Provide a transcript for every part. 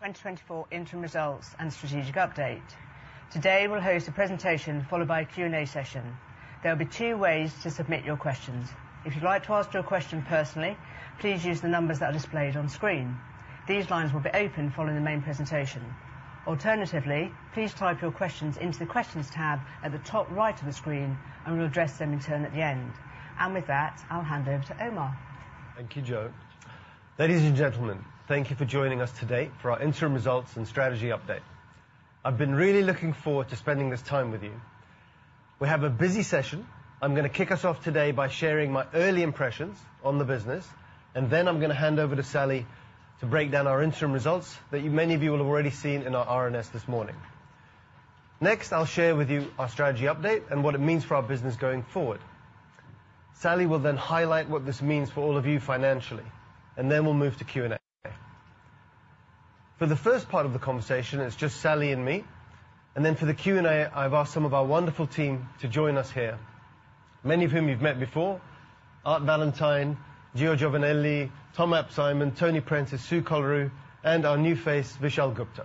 Welcome to Pearson's 2024 interim results and strategic update. Today, we'll host a presentation followed by a Q&A session. There will be two ways to submit your questions. If you'd like to ask your question personally, please use the numbers that are displayed on screen. These lines will be open following the main presentation. Alternatively, please type your questions into the Questions tab at the top right of the screen, and we'll address them in turn at the end. With that, I'll hand over to Omar. Thank you, Jo. Ladies and gentlemen, thank you for joining us today for our interim results and strategy update. I've been really looking forward to spending this time with you. We have a busy session. I'm gonna kick us off today by sharing my early impressions on the business, and then I'm gonna hand over to Sally to break down our interim results that you, many of you will have already seen in our RNS this morning. Next, I'll share with you our strategy update and what it means for our business going forward. Sally will then highlight what this means for all of you financially, and then we'll move to Q&A. For the first part of the conversation, it's just Sally and me, and then for the Q&A, I've asked some of our wonderful team to join us here, many of whom you've met before: Art Valentine, Gio Giovannelli, Tom ap Simon, Tony Prentice, Sue Kolloru, and our new face, Vishal Gupta.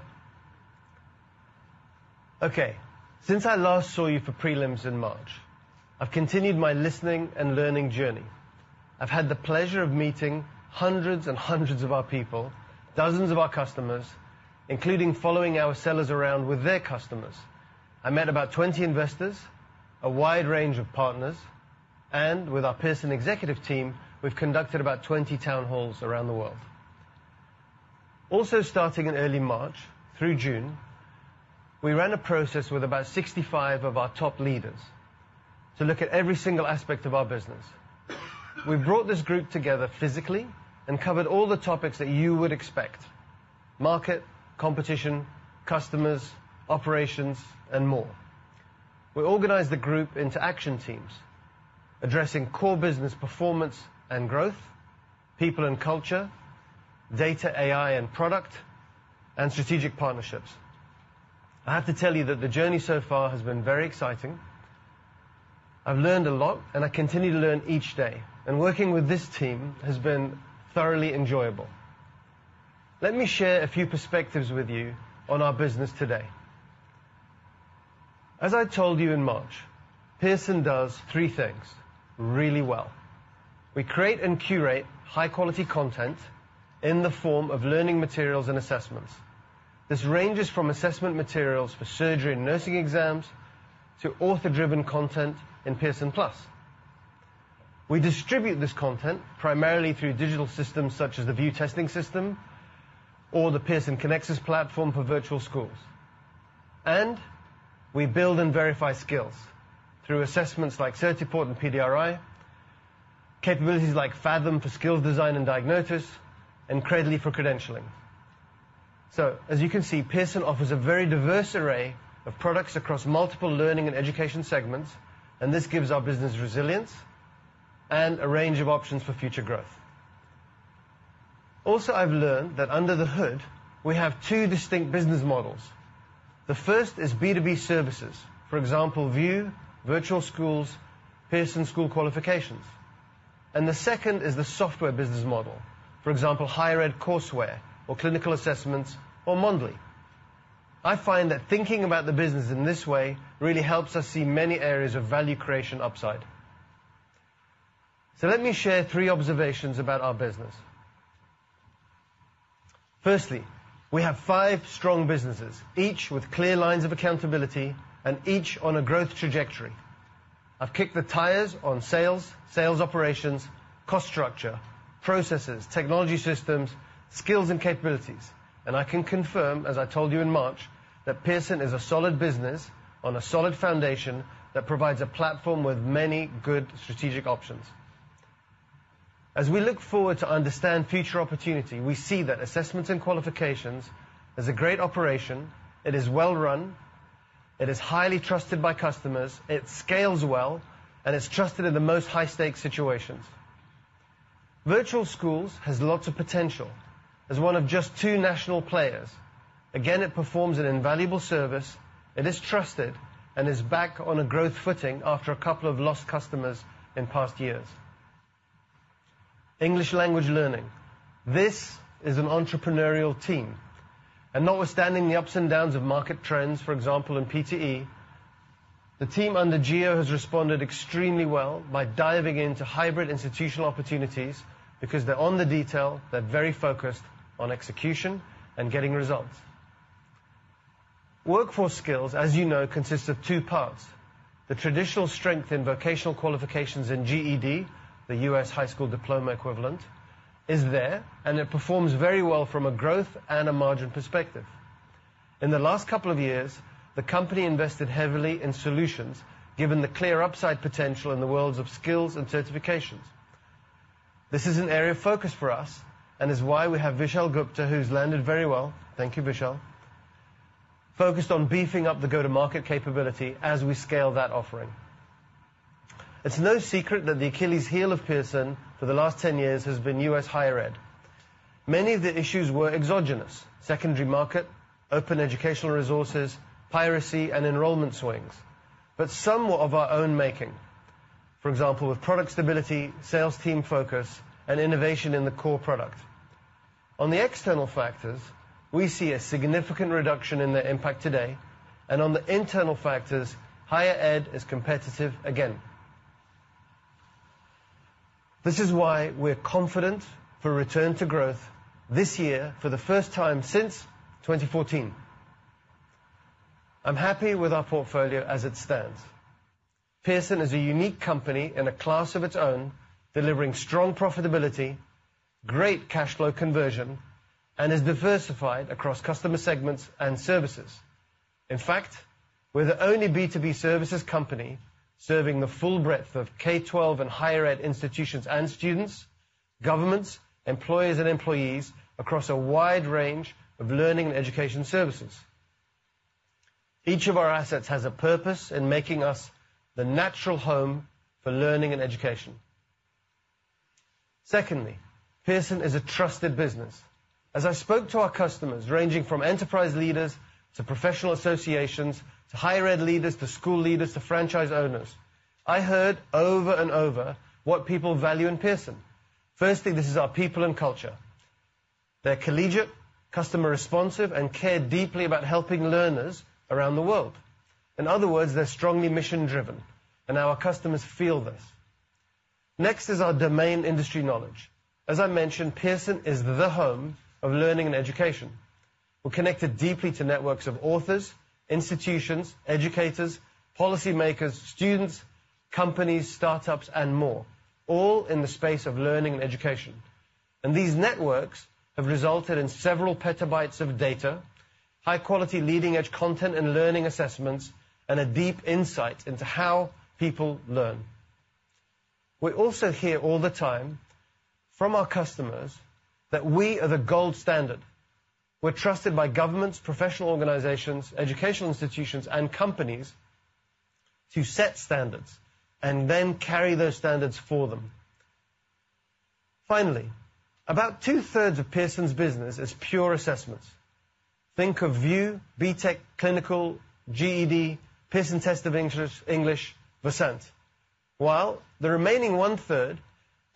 Okay, since I last saw you for prelims in March, I've continued my listening and learning journey. I've had the pleasure of meeting hundreds and hundreds of our people, dozens of our customers, including following our sellers around with their customers. I met about 20 investors, a wide range of partners, and with our Pearson executive team, we've conducted about 20 town halls around the world. Also, starting in early March through June, we ran a process with about 65 of our top leaders to look at every single aspect of our business. We brought this group together physically and covered all the topics that you would expect: market, competition, customers, operations, and more. We organized the group into action teams, addressing core business performance and growth, people and culture, data, AI, and product, and strategic partnerships. I have to tell you that the journey so far has been very exciting. I've learned a lot, and I continue to learn each day, and working with this team has been thoroughly enjoyable. Let me share a few perspectives with you on our business today. As I told you in March, Pearson does three things really well. We create and curate high-quality content in the form of learning materials and assessments. This ranges from assessment materials for surgery and nursing exams to author-driven content in Pearson+. We distribute this content primarily through digital systems such as the VUE Testing system or the Pearson Connexus platform for virtual schools. We build and verify skills through assessments like Certiport and PDRI, capabilities like Faethm for skills design and diagnosis, and Credly for credentialing. As you can see, Pearson offers a very diverse array of products across multiple learning and education segments, and this gives our business resilience and a range of options for future growth. Also, I've learned that under the hood, we have two distinct business models. The first is B2B services, for example, VUE, virtual schools, Pearson School Qualifications, and the second is the software business model. For example, higher ed courseware or clinical assessments or Mondly. I find that thinking about the business in this way really helps us see many areas of value creation upside. Let me share three observations about our business. Firstly, we have five strong businesses, each with clear lines of accountability and each on a growth trajectory. I've kicked the tires on sales, sales operations, cost structure, processes, technology systems, skills, and capabilities, and I can confirm, as I told you in March, that Pearson is a solid business on a solid foundation that provides a platform with many good strategic options. As we look forward to understand future opportunity, we see that Assessments and Qualifications is a great operation. It is well-run, it is highly trusted by customers, it scales well, and it's trusted in the most high-stakes situations. Virtual Schools has lots of potential as one of just two national players. Again, it performs an invaluable service. It is trusted and is back on a growth footing after a couple of lost customers in past years. English Language Learning. This is an entrepreneurial team, and notwithstanding the ups and downs of market trends, for example, in PTE, the team under Gio has responded extremely well by diving into hybrid institutional opportunities, because they're on the detail, they're very focused on execution and getting results. Workforce Skills, as you know, consists of two parts: the traditional strength in vocational qualifications in GED, the U.S. high school diploma equivalent, is there, and it performs very well from a growth and a margin perspective. In the last couple of years, the company invested heavily in solutions, given the clear upside potential in the worlds of skills and certifications. This is an area of focus for us and is why we have Vishal Gupta, who's landed very well, thank you, Vishal, focused on beefing up the go-to-market capability as we scale that offering. It's no secret that the Achilles heel of Pearson for the last 10 years has been US higher ed. Many of the issues were exogenous: secondary market, open educational resources, piracy, and enrollment swings. But some were of our own making.... For example, with product stability, sales team focus, and innovation in the core product. On the external factors, we see a significant reduction in their impact today, and on the internal factors, higher ed is competitive again. This is why we're confident for a return to growth this year for the first time since 2014. I'm happy with our portfolio as it stands. Pearson is a unique company in a class of its own, delivering strong profitability, great cash flow conversion, and is diversified across customer segments and services. In fact, we're the only B2B services company serving the full breadth of K-12 and higher ed institutions and students, governments, employers, and employees across a wide range of learning and education services. Each of our assets has a purpose in making us the natural home for learning and education. Secondly, Pearson is a trusted business. As I spoke to our customers, ranging from enterprise leaders, to professional associations, to higher ed leaders, to school leaders, to franchise owners, I heard over and over what people value in Pearson. Firstly, this is our people and culture. They're collegiate, customer-responsive, and care deeply about helping learners around the world. In other words, they're strongly mission-driven, and our customers feel this. Next is our domain industry knowledge. As I mentioned, Pearson is the home of learning and education. We're connected deeply to networks of authors, institutions, educators, policymakers, students, companies, startups, and more, all in the space of learning and education. And these networks have resulted in several petabytes of data, high quality, leading-edge content and learning assessments, and a deep insight into how people learn. We also hear all the time from our customers that we are the gold standard. We're trusted by governments, professional organizations, educational institutions, and companies to set standards and then carry those standards for them. Finally, about two-thirds of Pearson's business is pure assessments. Think of VUE, BTEC, Clinical, GED, Pearson Test of English, Versant. While the remaining one-third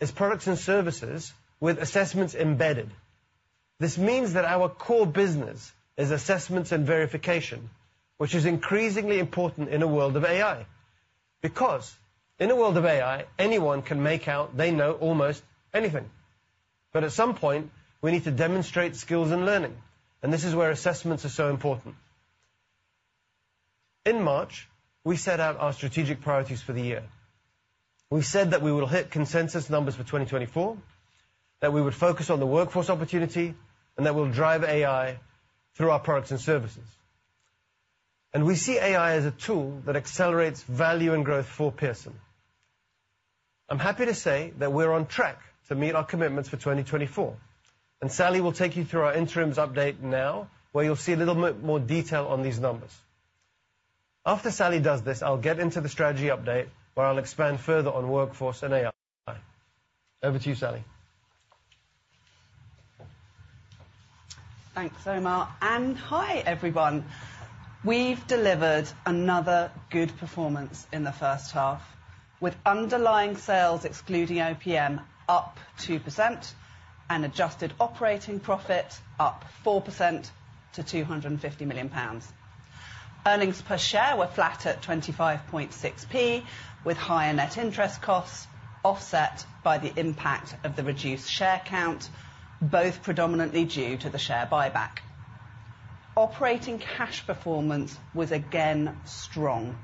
is products and services with assessments embedded. This means that our core business is assessments and verification, which is increasingly important in a world of AI, because in a world of AI, anyone can make out they know almost anything. But at some point, we need to demonstrate skills and learning, and this is where assessments are so important. In March, we set out our strategic priorities for the year. We said that we will hit consensus numbers for 2024, that we would focus on the workforce opportunity, and that we'll drive AI through our products and services. And we see AI as a tool that accelerates value and growth for Pearson. I'm happy to say that we're on track to meet our commitments for 2024, and Sally will take you through our interims update now, where you'll see a little more detail on these numbers. After Sally does this, I'll get into the strategy update, where I'll expand further on workforce and AI. Over to you, Sally. Thanks, Omar, and hi, everyone. We've delivered another good performance in the first half, with underlying sales, excluding OPM, up 2% and adjusted operating profit up 4% to 250 million pounds. Earnings per share were flat at 25.6p, with higher net interest costs offset by the impact of the reduced share count, both predominantly due to the share buyback. Operating cash performance was again strong,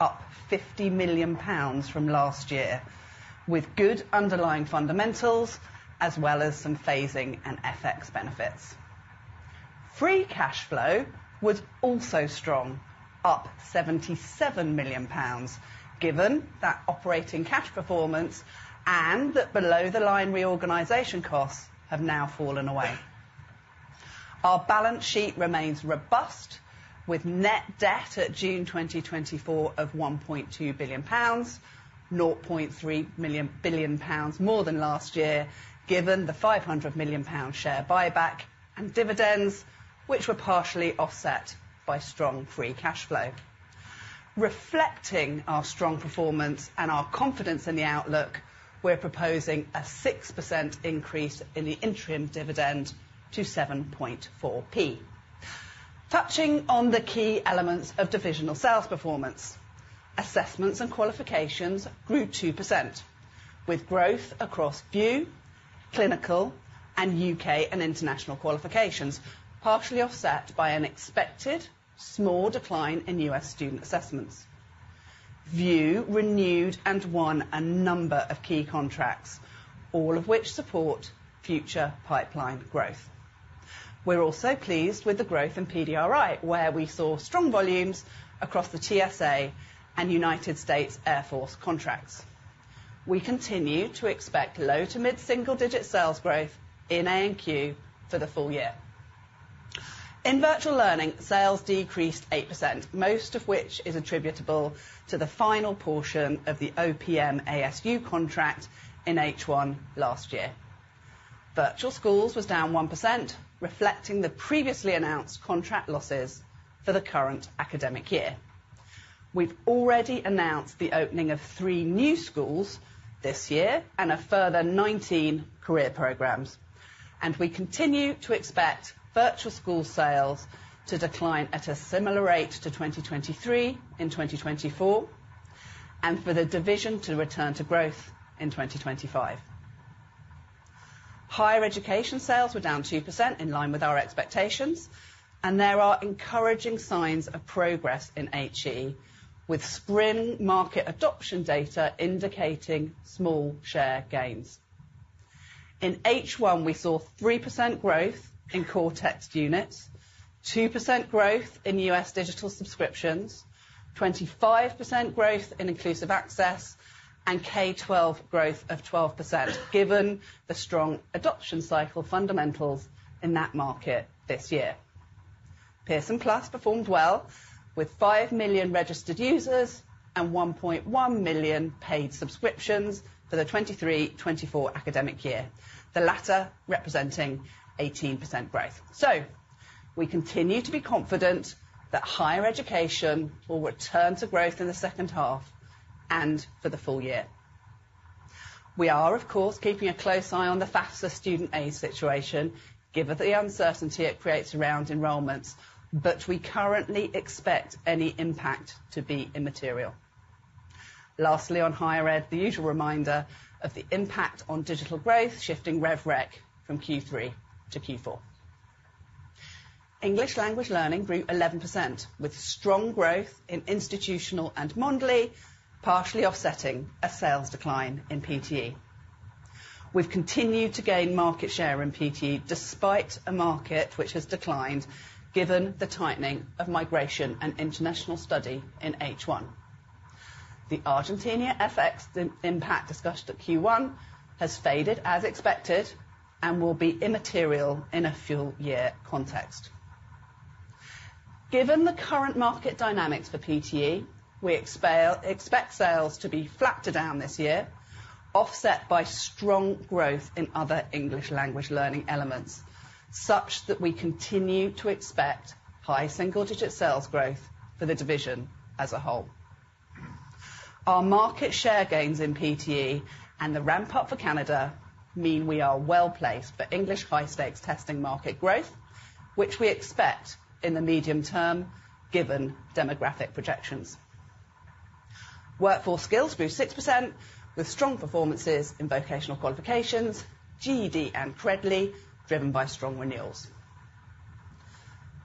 up 50 million pounds from last year, with good underlying fundamentals as well as some phasing and FX benefits. Free cash flow was also strong, up 77 million pounds, given that operating cash performance and that below-the-line reorganization costs have now fallen away. Our balance sheet remains robust, with net debt at June 2024 of 1.2 billion pounds, 0.3 billion pounds more than last year, given the 500 million pound share buyback and dividends, which were partially offset by strong free cash flow. Reflecting our strong performance and our confidence in the outlook, we're proposing a 6% increase in the interim dividend to 7.4p. Touching on the key elements of divisional sales performance, Assessments and Qualifications grew 2%, with growth across VUE, Clinical, and UK and international qualifications, partially offset by an expected small decline in US student assessments. VUE renewed and won a number of key contracts, all of which support future pipeline growth. We're also pleased with the growth in PDRI, where we saw strong volumes across the TSA and United States Air Force contracts. We continue to expect low to mid-single-digit sales growth in A&Q for the full year. In virtual learning, sales decreased 8%, most of which is attributable to the final portion of the OPM ASU contract in H1 last year. Virtual Schools was down 1%, reflecting the previously announced contract losses for the current academic year. We've already announced the opening of 3 new schools this year and a further 19 career programs, and we continue to expect Virtual School sales to decline at a similar rate to 2023 in 2024, and for the division to return to growth in 2025. Higher education sales were down 2%, in line with our expectations, and there are encouraging signs of progress in HE, with spring market adoption data indicating small share gains. In H1, we saw 3% growth in core text units, 2% growth in US digital subscriptions, 25% growth in inclusive access, and K-12 growth of 12%, given the strong adoption cycle fundamentals in that market this year. Pearson+ performed well, with 5 million registered users and 1.1 million paid subscriptions for the 2023/2024 academic year. The latter representing 18% growth. So we continue to be confident that higher education will return to growth in the second half and for the full year. We are, of course, keeping a close eye on the FAFSA student aid situation, given the uncertainty it creates around enrollments, but we currently expect any impact to be immaterial. Lastly, on higher ed, the usual reminder of the impact on digital growth, shifting rev rec from Q3 to Q4. English language learning grew 11%, with strong growth in institutional and Mondly, partially offsetting a sales decline in PTE. We've continued to gain market share in PTE despite a market which has declined, given the tightening of migration and international study in H1. The Argentina FX impact discussed at Q1 has faded as expected and will be immaterial in a full year context. Given the current market dynamics for PTE, we expect sales to be flat to down this year, offset by strong growth in other English language learning elements, such that we continue to expect high single-digit sales growth for the division as a whole. Our market share gains in PTE and the ramp-up for Canada mean we are well-placed for English high stakes testing market growth, which we expect in the medium term, given demographic projections. Workforce skills grew 6%, with strong performances in vocational qualifications, GED and Credly, driven by strong renewals.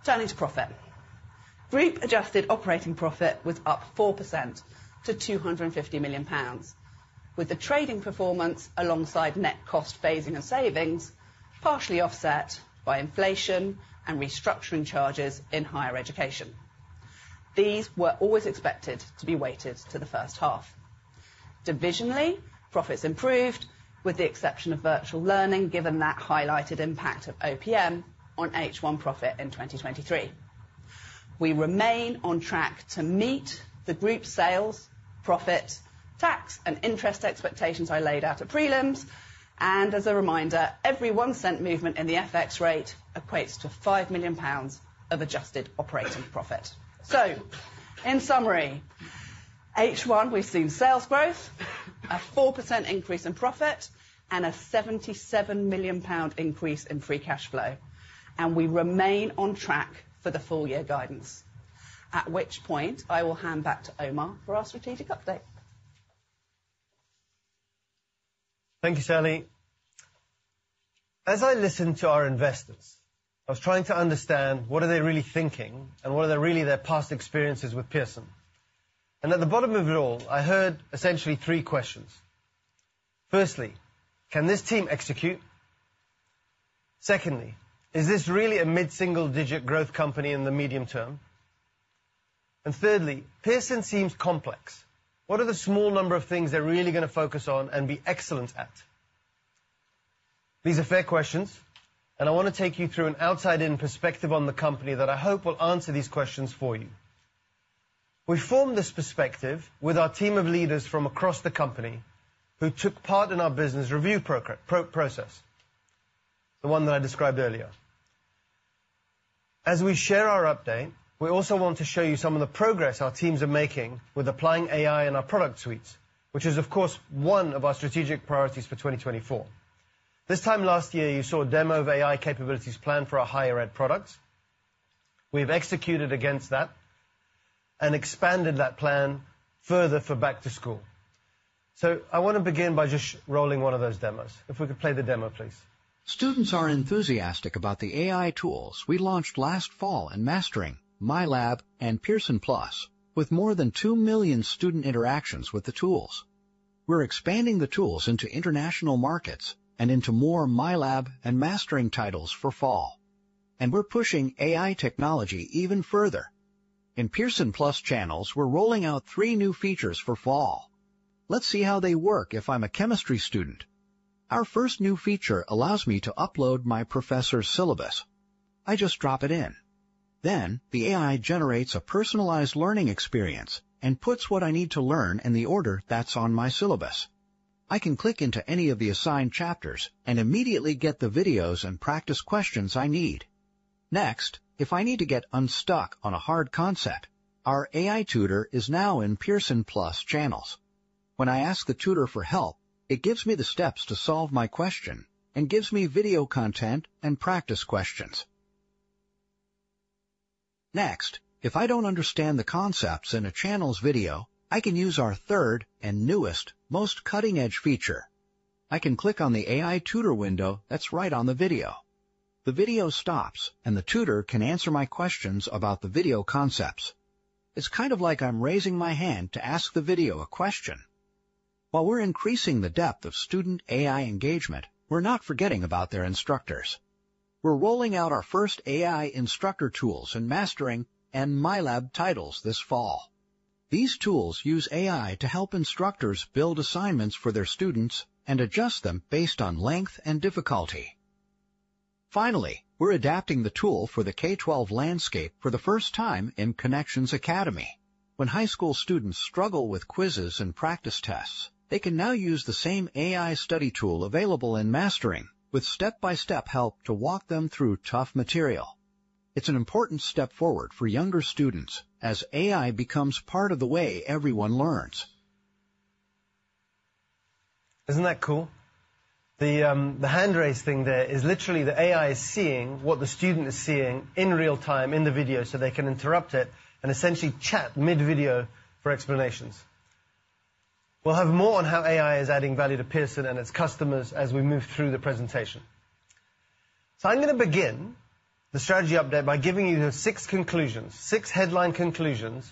Turning to profit. Group adjusted operating profit was up 4% to 250 million pounds, with the trading performance alongside net cost phasing and savings, partially offset by inflation and restructuring charges in higher education. These were always expected to be weighted to the first half. Divisionally, profits improved, with the exception of virtual learning, given that highlighted impact of OPM on H1 profit in 2023. We remain on track to meet the group's sales, profit, tax, and interest expectations I laid out at prelims, and as a reminder, every 1 cent movement in the FX rate equates to 5 million pounds of adjusted operating profit. In summary, H1, we've seen sales growth, a 4% increase in profit, and a 77 million pound increase in free cash flow, and we remain on track for the full year guidance. At which point, I will hand back to Omar for our strategic update. Thank you, Sally. As I listened to our investors, I was trying to understand: what are they really thinking, and what are their, really, their past experiences with Pearson? And at the bottom of it all, I heard essentially three questions. Firstly, can this team execute? Secondly, is this really a mid-single-digit growth company in the medium term? And thirdly, Pearson seems complex. What are the small number of things they're really gonna focus on and be excellent at? These are fair questions, and I want to take you through an outside-in perspective on the company that I hope will answer these questions for you. We formed this perspective with our team of leaders from across the company, who took part in our business review process, the one that I described earlier. As we share our update, we also want to show you some of the progress our teams are making with applying AI in our product suites, which is, of course, one of our strategic priorities for 2024. This time last year, you saw a demo of AI capabilities planned for our higher ed products. We've executed against that and expanded that plan further for back to school. So I want to begin by just rolling one of those demos. If we could play the demo, please. Students are enthusiastic about the AI tools we launched last fall in Mastering, MyLab, and Pearson+, with more than 2 million student interactions with the tools. We're expanding the tools into international markets and into more MyLab and Mastering titles for fall, and we're pushing AI technology even further. In Pearson+ Channels, we're rolling out three new features for fall. Let's see how they work if I'm a chemistry student. Our first new feature allows me to upload my professor's syllabus. I just drop it in ... Then the AI generates a personalized learning experience and puts what I need to learn in the order that's on my syllabus. I can click into any of the assigned chapters and immediately get the videos and practice questions I need. Next, if I need to get unstuck on a hard concept, our AI tutor is now in Pearson+ Channels. When I ask the tutor for help, it gives me the steps to solve my question and gives me video content and practice questions. Next, if I don't understand the concepts in a Channels video, I can use our third and newest, most cutting-edge feature. I can click on the AI tutor window that's right on the video. The video stops, and the tutor can answer my questions about the video concepts. It's kind of like I'm raising my hand to ask the video a question. While we're increasing the depth of student AI engagement, we're not forgetting about their instructors. We're rolling out our first AI instructor tools in Mastering and MyLab titles this fall. These tools use AI to help instructors build assignments for their students and adjust them based on length and difficulty. Finally, we're adapting the tool for the K-12 landscape for the first time in Connections Academy. When high school students struggle with quizzes and practice tests, they can now use the same AI study tool available in Mastering, with step-by-step help to walk them through tough material. It's an important step forward for younger students as AI becomes part of the way everyone learns. Isn't that cool? The, the hand raise thing there is literally the AI is seeing what the student is seeing in real time in the video, so they can interrupt it and essentially chat mid-video for explanations. We'll have more on how AI is adding value to Pearson and its customers as we move through the presentation. So I'm going to begin the strategy update by giving you the six conclusions, six headline conclusions,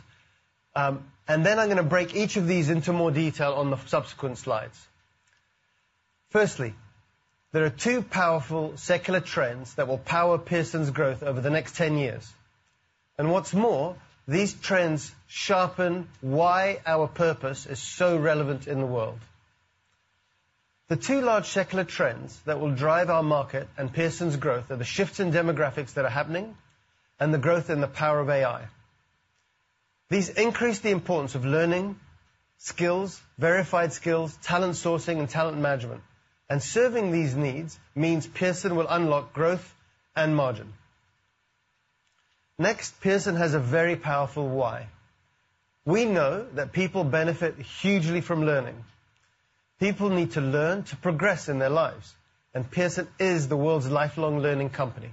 and then I'm going to break each of these into more detail on the subsequent slides. Firstly, there are two powerful secular trends that will power Pearson's growth over the next 10 years. And what's more, these trends sharpen why our purpose is so relevant in the world. The two large secular trends that will drive our market and Pearson's growth are the shifts in demographics that are happening and the growth in the power of AI. These increase the importance of learning, skills, verified skills, talent sourcing, and talent management. And serving these needs means Pearson will unlock growth and margin. Next, Pearson has a very powerful why. We know that people benefit hugely from learning. People need to learn to progress in their lives, and Pearson is the world's lifelong learning company.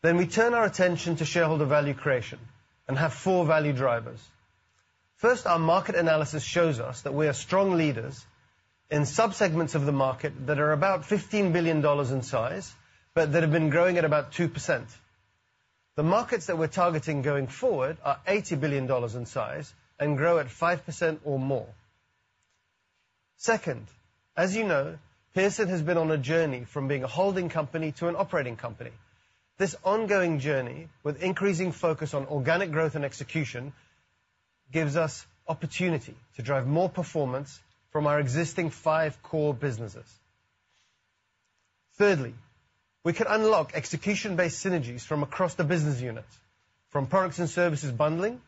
Then we turn our attention to shareholder value creation and have four value drivers. First, our market analysis shows us that we are strong leaders in subsegments of the market that are about $15 billion in size, but that have been growing at about 2%. The markets that we're targeting going forward are $80 billion in size and grow at 5% or more. Second, as you know, Pearson has been on a journey from being a holding company to an operating company. This ongoing journey, with increasing focus on organic growth and execution, gives us opportunity to drive more performance from our existing 5 core businesses. Thirdly, we can unlock execution-based synergies from across the business units, from products and services bundling,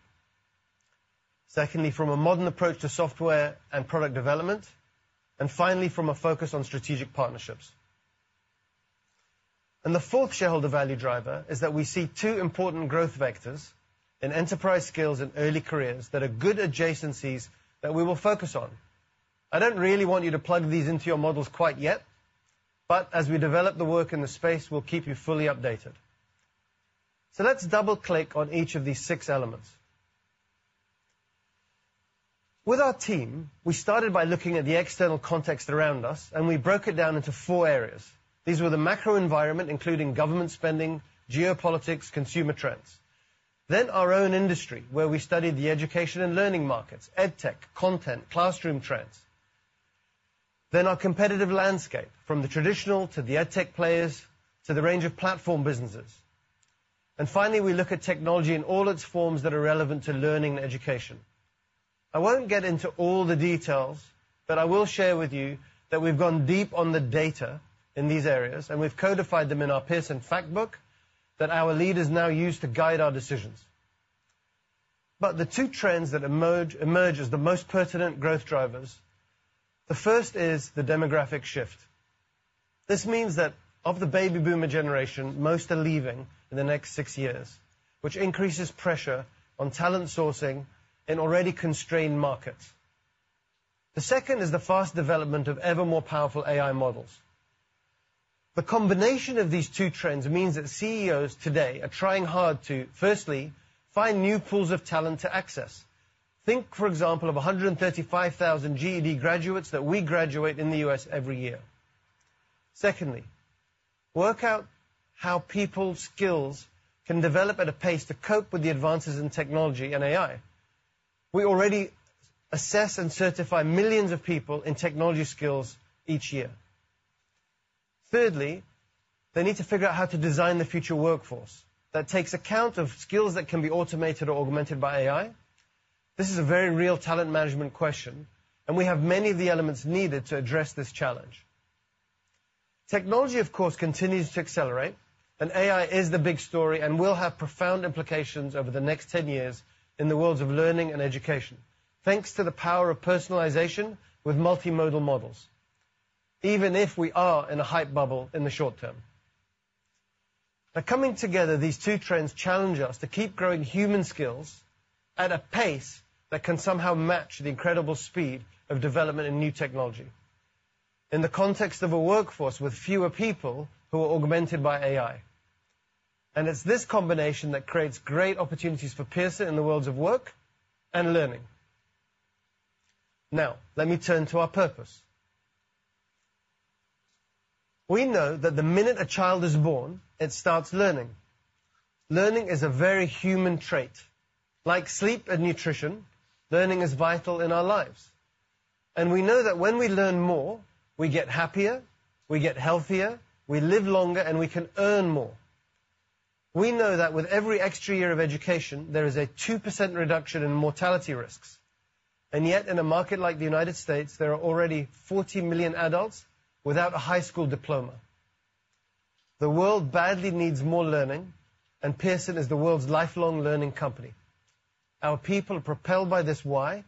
secondly, from a modern approach to software and product development, and finally, from a focus on strategic partnerships. The fourth shareholder value driver is that we see 2 important growth vectors in enterprise skills and early careers that are good adjacencies that we will focus on. I don't really want you to plug these into your models quite yet, but as we develop the work in the space, we'll keep you fully updated. So let's double-click on each of these six elements. With our team, we started by looking at the external context around us, and we broke it down into four areas. These were the macro environment, including government spending, geopolitics, consumer trends. Then our own industry, where we studied the education and learning markets, EdTech, content, classroom trends. Then our competitive landscape, from the traditional to the EdTech players, to the range of platform businesses. And finally, we look at technology in all its forms that are relevant to learning and education. I won't get into all the details, but I will share with you that we've gone deep on the data in these areas, and we've codified them in our Pearson Fact Book that our leaders now use to guide our decisions. But the two trends that emerge, emerge as the most pertinent growth drivers. The first is the demographic shift. This means that of the baby boomer generation, most are leaving in the next six years, which increases pressure on talent sourcing in already constrained markets. The second is the fast development of ever more powerful AI models. The combination of these two trends means that CEOs today are trying hard to, firstly, find new pools of talent to access. Think, for example, of 135,000 GED graduates that we graduate in the US every year. Secondly, work out how people's skills can develop at a pace to cope with the advances in technology and AI. We already assess and certify millions of people in technology skills each year. Thirdly, they need to figure out how to design the future workforce that takes account of skills that can be automated or augmented by AI... This is a very real talent management question, and we have many of the elements needed to address this challenge. Technology, of course, continues to accelerate, and AI is the big story and will have profound implications over the next 10 years in the worlds of learning and education, thanks to the power of personalization with multimodal models, even if we are in a hype bubble in the short term. But coming together, these two trends challenge us to keep growing human skills at a pace that can somehow match the incredible speed of development in new technology, in the context of a workforce with fewer people who are augmented by AI. And it's this combination that creates great opportunities for Pearson in the worlds of work and learning. Now, let me turn to our purpose. We know that the minute a child is born, it starts learning. Learning is a very human trait. Like sleep and nutrition, learning is vital in our lives, and we know that when we learn more, we get happier, we get healthier, we live longer, and we can earn more. We know that with every extra year of education, there is a 2% reduction in mortality risks. And yet, in a market like the United States, there are already 40 million adults without a high school diploma. The world badly needs more learning, and Pearson is the world's lifelong learning company. Our people are propelled by this why,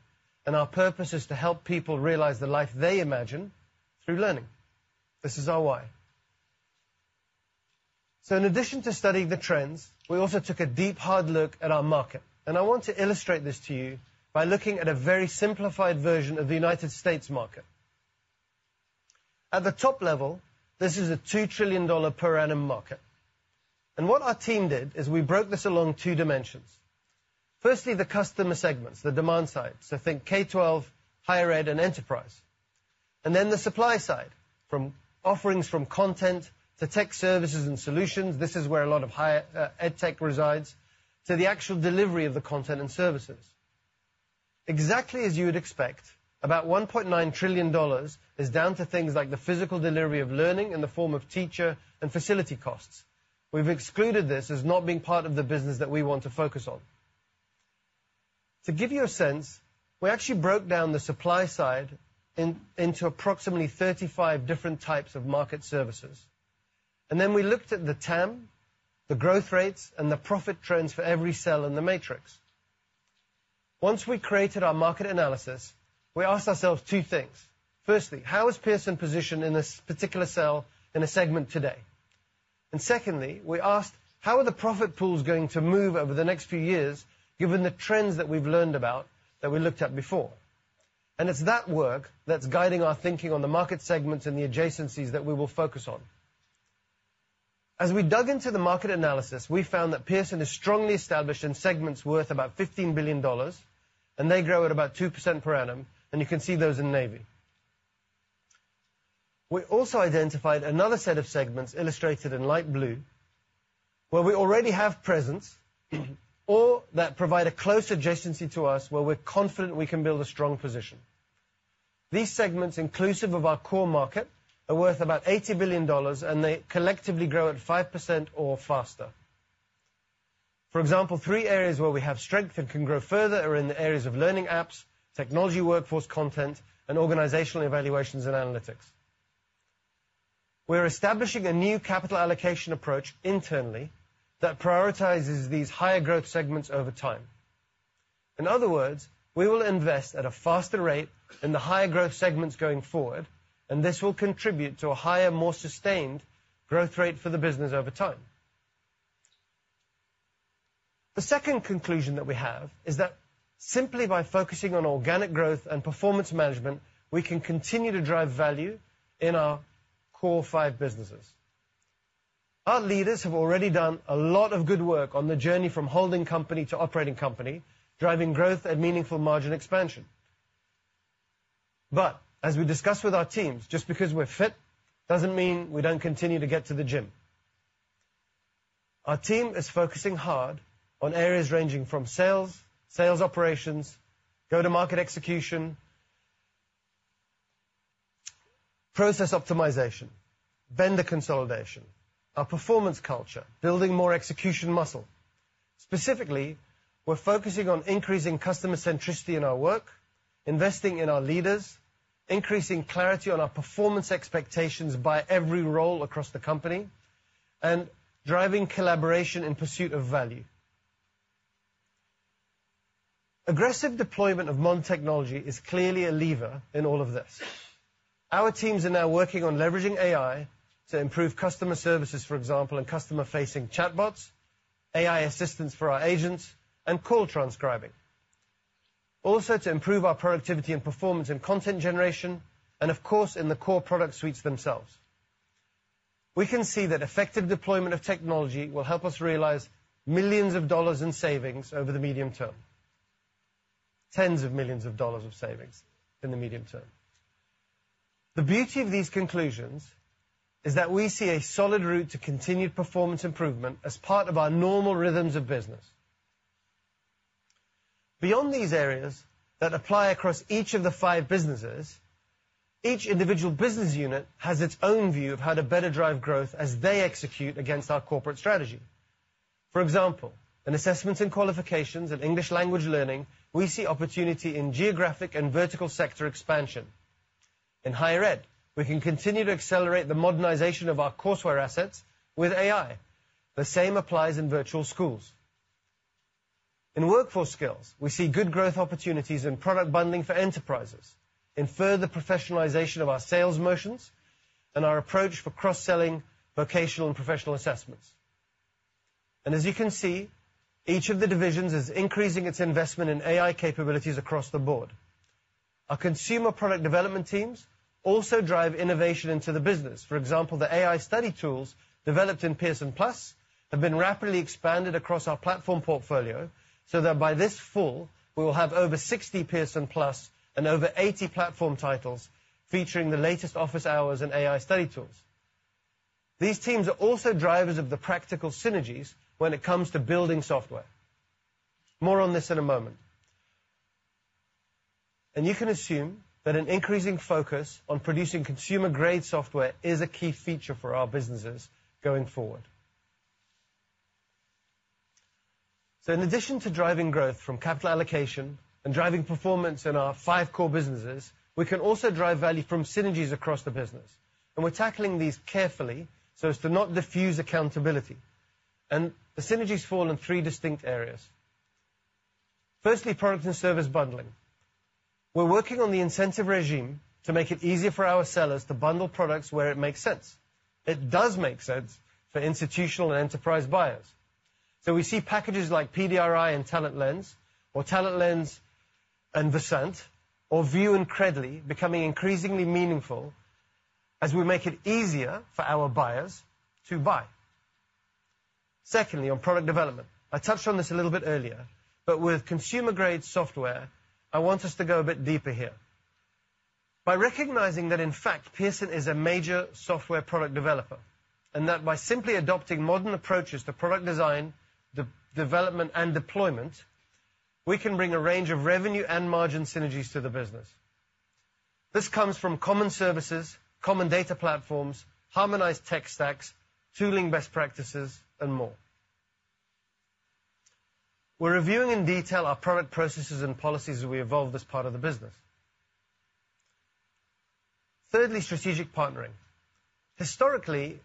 and our purpose is to help people realize the life they imagine through learning. This is our why. So in addition to studying the trends, we also took a deep, hard look at our market, and I want to illustrate this to you by looking at a very simplified version of the United States market. At the top level, this is a $2 trillion per annum market. What our team did is we broke this along two dimensions. Firstly, the customer segments, the demand side, so think K-12, higher ed, and enterprise. Then the supply side, from offerings from content to tech services and solutions, this is where a lot of higher edtech resides, to the actual delivery of the content and services. Exactly as you would expect, about $1.9 trillion is down to things like the physical delivery of learning in the form of teacher and facility costs. We've excluded this as not being part of the business that we want to focus on. To give you a sense, we actually broke down the supply side into approximately 35 different types of market services, and then we looked at the TAM, the growth rates, and the profit trends for every cell in the matrix. Once we created our market analysis, we asked ourselves two things. Firstly, how is Pearson positioned in this particular cell in a segment today? Secondly, we asked, how are the profit pools going to move over the next few years, given the trends that we've learned about that we looked at before? It's that work that's guiding our thinking on the market segments and the adjacencies that we will focus on. As we dug into the market analysis, we found that Pearson is strongly established in segments worth about $15 billion, and they grow at about 2% per annum, and you can see those in navy. We also identified another set of segments, illustrated in light blue, where we already have presence or that provide a close adjacency to us where we're confident we can build a strong position. These segments, inclusive of our core market, are worth about $80 billion, and they collectively grow at 5% or faster. For example, three areas where we have strength and can grow further are in the areas of learning apps, technology workforce content, and organizational evaluations and analytics. We're establishing a new capital allocation approach internally that prioritizes these higher growth segments over time. In other words, we will invest at a faster rate in the higher growth segments going forward, and this will contribute to a higher, more sustained growth rate for the business over time. The second conclusion that we have is that simply by focusing on organic growth and performance management, we can continue to drive value in our core five businesses. Our leaders have already done a lot of good work on the journey from holding company to operating company, driving growth and meaningful margin expansion. But as we discussed with our teams, just because we're fit, doesn't mean we don't continue to get to the gym. Our team is focusing hard on areas ranging from sales, sales operations, go-to-market execution, process optimization, vendor consolidation, our performance culture, building more execution muscle. Specifically, we're focusing on increasing customer centricity in our work, investing in our leaders, increasing clarity on our performance expectations by every role across the company, and driving collaboration in pursuit of value. Aggressive deployment of modern technology is clearly a lever in all of this. Our teams are now working on leveraging AI to improve customer services, for example, in customer-facing chatbots, AI assistance for our agents, and call transcribing. Also, to improve our productivity and performance in content generation, and of course, in the core product suites themselves. We can see that effective deployment of technology will help us realize millions of dollars in savings over the medium term. Tens of millions of dollars of savings in the medium term. The beauty of these conclusions is that we see a solid route to continued performance improvement as part of our normal rhythms of business. Beyond these areas that apply across each of the five businesses. Each individual business unit has its own view of how to better drive growth as they execute against our corporate strategy. For example, in Assessments and Qualifications and English Language Learning, we see opportunity in geographic and vertical sector expansion. In higher ed, we can continue to accelerate the modernization of our courseware assets with AI. The same applies in virtual schools. In workforce skills, we see good growth opportunities in product bundling for enterprises, in further professionalization of our sales motions, and our approach for cross-selling vocational and professional assessments. And as you can see, each of the divisions is increasing its investment in AI capabilities across the board. Our consumer product development teams also drive innovation into the business. For example, the AI study tools developed in Pearson+ have been rapidly expanded across our platform portfolio, so that by this fall, we will have over 60 Pearson+ and over 80 platform titles featuring the latest office hours and AI study tools. These teams are also drivers of the practical synergies when it comes to building software. More on this in a moment. And you can assume that an increasing focus on producing consumer-grade software is a key feature for our businesses going forward. So in addition to driving growth from capital allocation and driving performance in our five core businesses, we can also drive value from synergies across the business, and we're tackling these carefully so as to not diffuse accountability. And the synergies fall in three distinct areas. Firstly, product and service bundling. We're working on the incentive regime to make it easier for our sellers to bundle products where it makes sense. It does make sense for institutional and enterprise buyers. So we see packages like PDRI and TalentLens, or TalentLens and Versant, or VUE and Credly becoming increasingly meaningful as we make it easier for our buyers to buy. Secondly, on product development, I touched on this a little bit earlier, but with consumer-grade software, I want us to go a bit deeper here. By recognizing that, in fact, Pearson is a major software product developer, and that by simply adopting modern approaches to product design, development, and deployment, we can bring a range of revenue and margin synergies to the business. This comes from common services, common data platforms, harmonized tech stacks, tooling best practices, and more. We're reviewing in detail our product processes and policies as we evolve this part of the business. Thirdly, strategic partnering. Historically,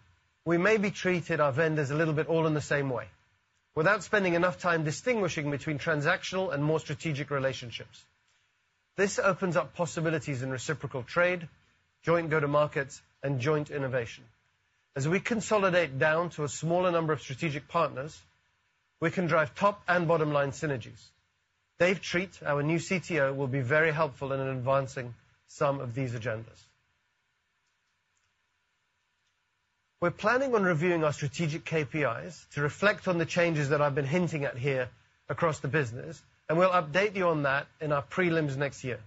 we maybe treated our vendors a little bit all in the same way, without spending enough time distinguishing between transactional and more strategic relationships. This opens up possibilities in reciprocal trade, joint go-to-markets, and joint innovation. As we consolidate down to a smaller number of strategic partners, we can drive top and bottom-line synergies. Dave Treat, our new CTO, will be very helpful in advancing some of these agendas. We're planning on reviewing our strategic KPIs to reflect on the changes that I've been hinting at here across the business, and we'll update you on that in our prelims next year.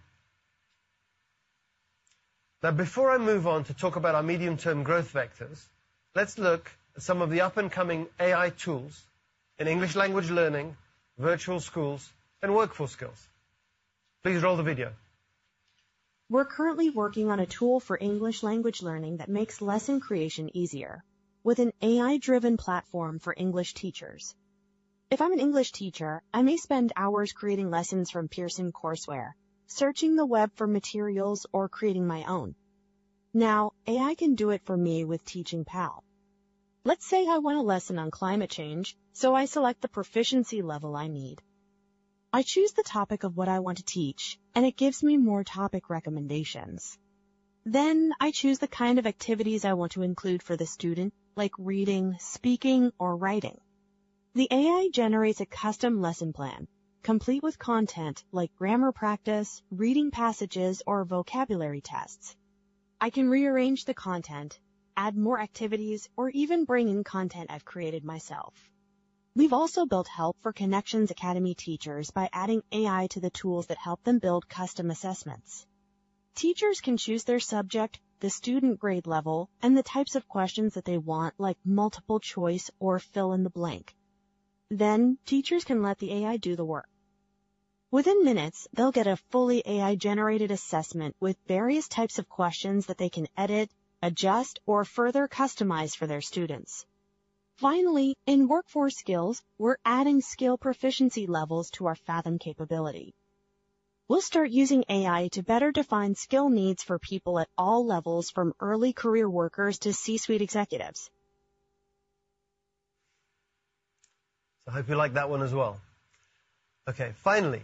Now, before I move on to talk about our medium-term growth vectors, let's look at some of the up-and-coming AI tools in English language learning, virtual schools, and workforce skills. Please roll the video. We're currently working on a tool for English language learning that makes lesson creation easier, with an AI-driven platform for English teachers. If I'm an English teacher, I may spend hours creating lessons from Pearson courseware, searching the web for materials, or creating my own. Now, AI can do it for me with Teaching Pal. Let's say I want a lesson on climate change, so I select the proficiency level I need. I choose the topic of what I want to teach, and it gives me more topic recommendations. Then, I choose the kind of activities I want to include for the student, like reading, speaking, or writing. The AI generates a custom lesson plan, complete with content like grammar practice, reading passages, or vocabulary tests. I can rearrange the content, add more activities, or even bring in content I've created myself. We've also built help for Connections Academy teachers by adding AI to the tools that help them build custom assessments. Teachers can choose their subject, the student grade level, and the types of questions that they want, like multiple choice or fill in the blank. Then, teachers can let the AI do the work. Within minutes, they'll get a fully AI-generated assessment with various types of questions that they can edit, adjust, or further customize for their students. Finally, in Workforce Skills, we're adding skill proficiency levels to our Faethm capability. We'll start using AI to better define skill needs for people at all levels, from early career workers to C-suite executives. I hope you like that one as well. Okay, finally,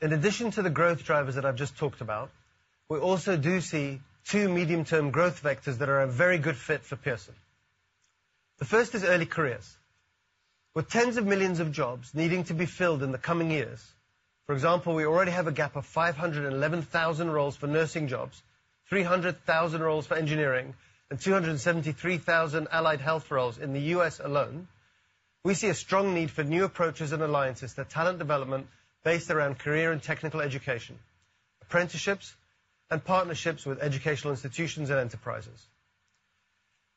in addition to the growth drivers that I've just talked about, we also do see two medium-term growth vectors that are a very good fit for Pearson. The first is early careers. With tens of millions of jobs needing to be filled in the coming years, for example, we already have a gap of 511,000 roles for nursing jobs, 300,000 roles for engineering, and 273,000 allied health roles in the U.S. alone. We see a strong need for new approaches and alliances to talent development based around career and technical education, apprenticeships, and partnerships with educational institutions and enterprises.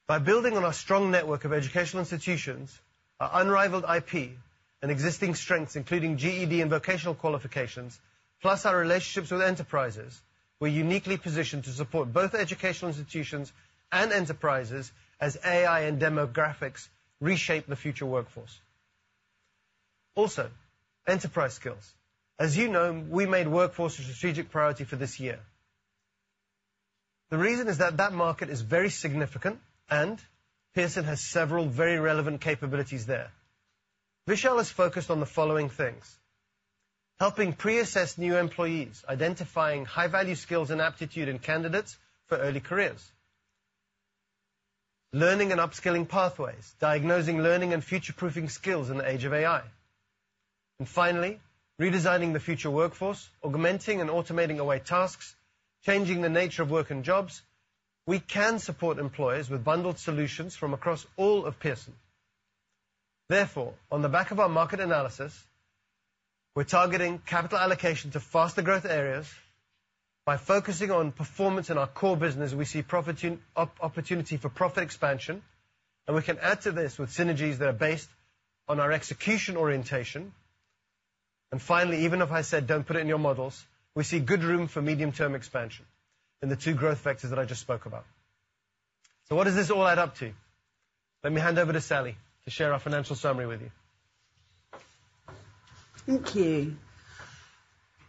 By building on our strong network of educational institutions, our unrivaled IP, and existing strengths, including GED and vocational qualifications, plus our relationships with enterprises, we're uniquely positioned to support both educational institutions and enterprises as AI and demographics reshape the future workforce. Also, enterprise skills. As you know, we made workforce a strategic priority for this year. The reason is that that market is very significant, and Pearson has several very relevant capabilities there. Vishal is focused on the following things: helping pre-assess new employees, identifying high-value skills and aptitude in candidates for early careers, learning and upskilling pathways, diagnosing learning, and future-proofing skills in the age of AI. And finally, redesigning the future workforce, augmenting and automating away tasks, changing the nature of work and jobs. We can support employers with bundled solutions from across all of Pearson. Therefore, on the back of our market analysis, we're targeting capital allocation to faster growth areas. By focusing on performance in our core business, we see profit opportunity for profit expansion, and we can add to this with synergies that are based on our execution orientation. Finally, even if I said, "Don't put it in your models," we see good room for medium-term expansion in the two growth vectors that I just spoke about. What does this all add up to? Let me hand over to Sally to share our financial summary with you. Thank you.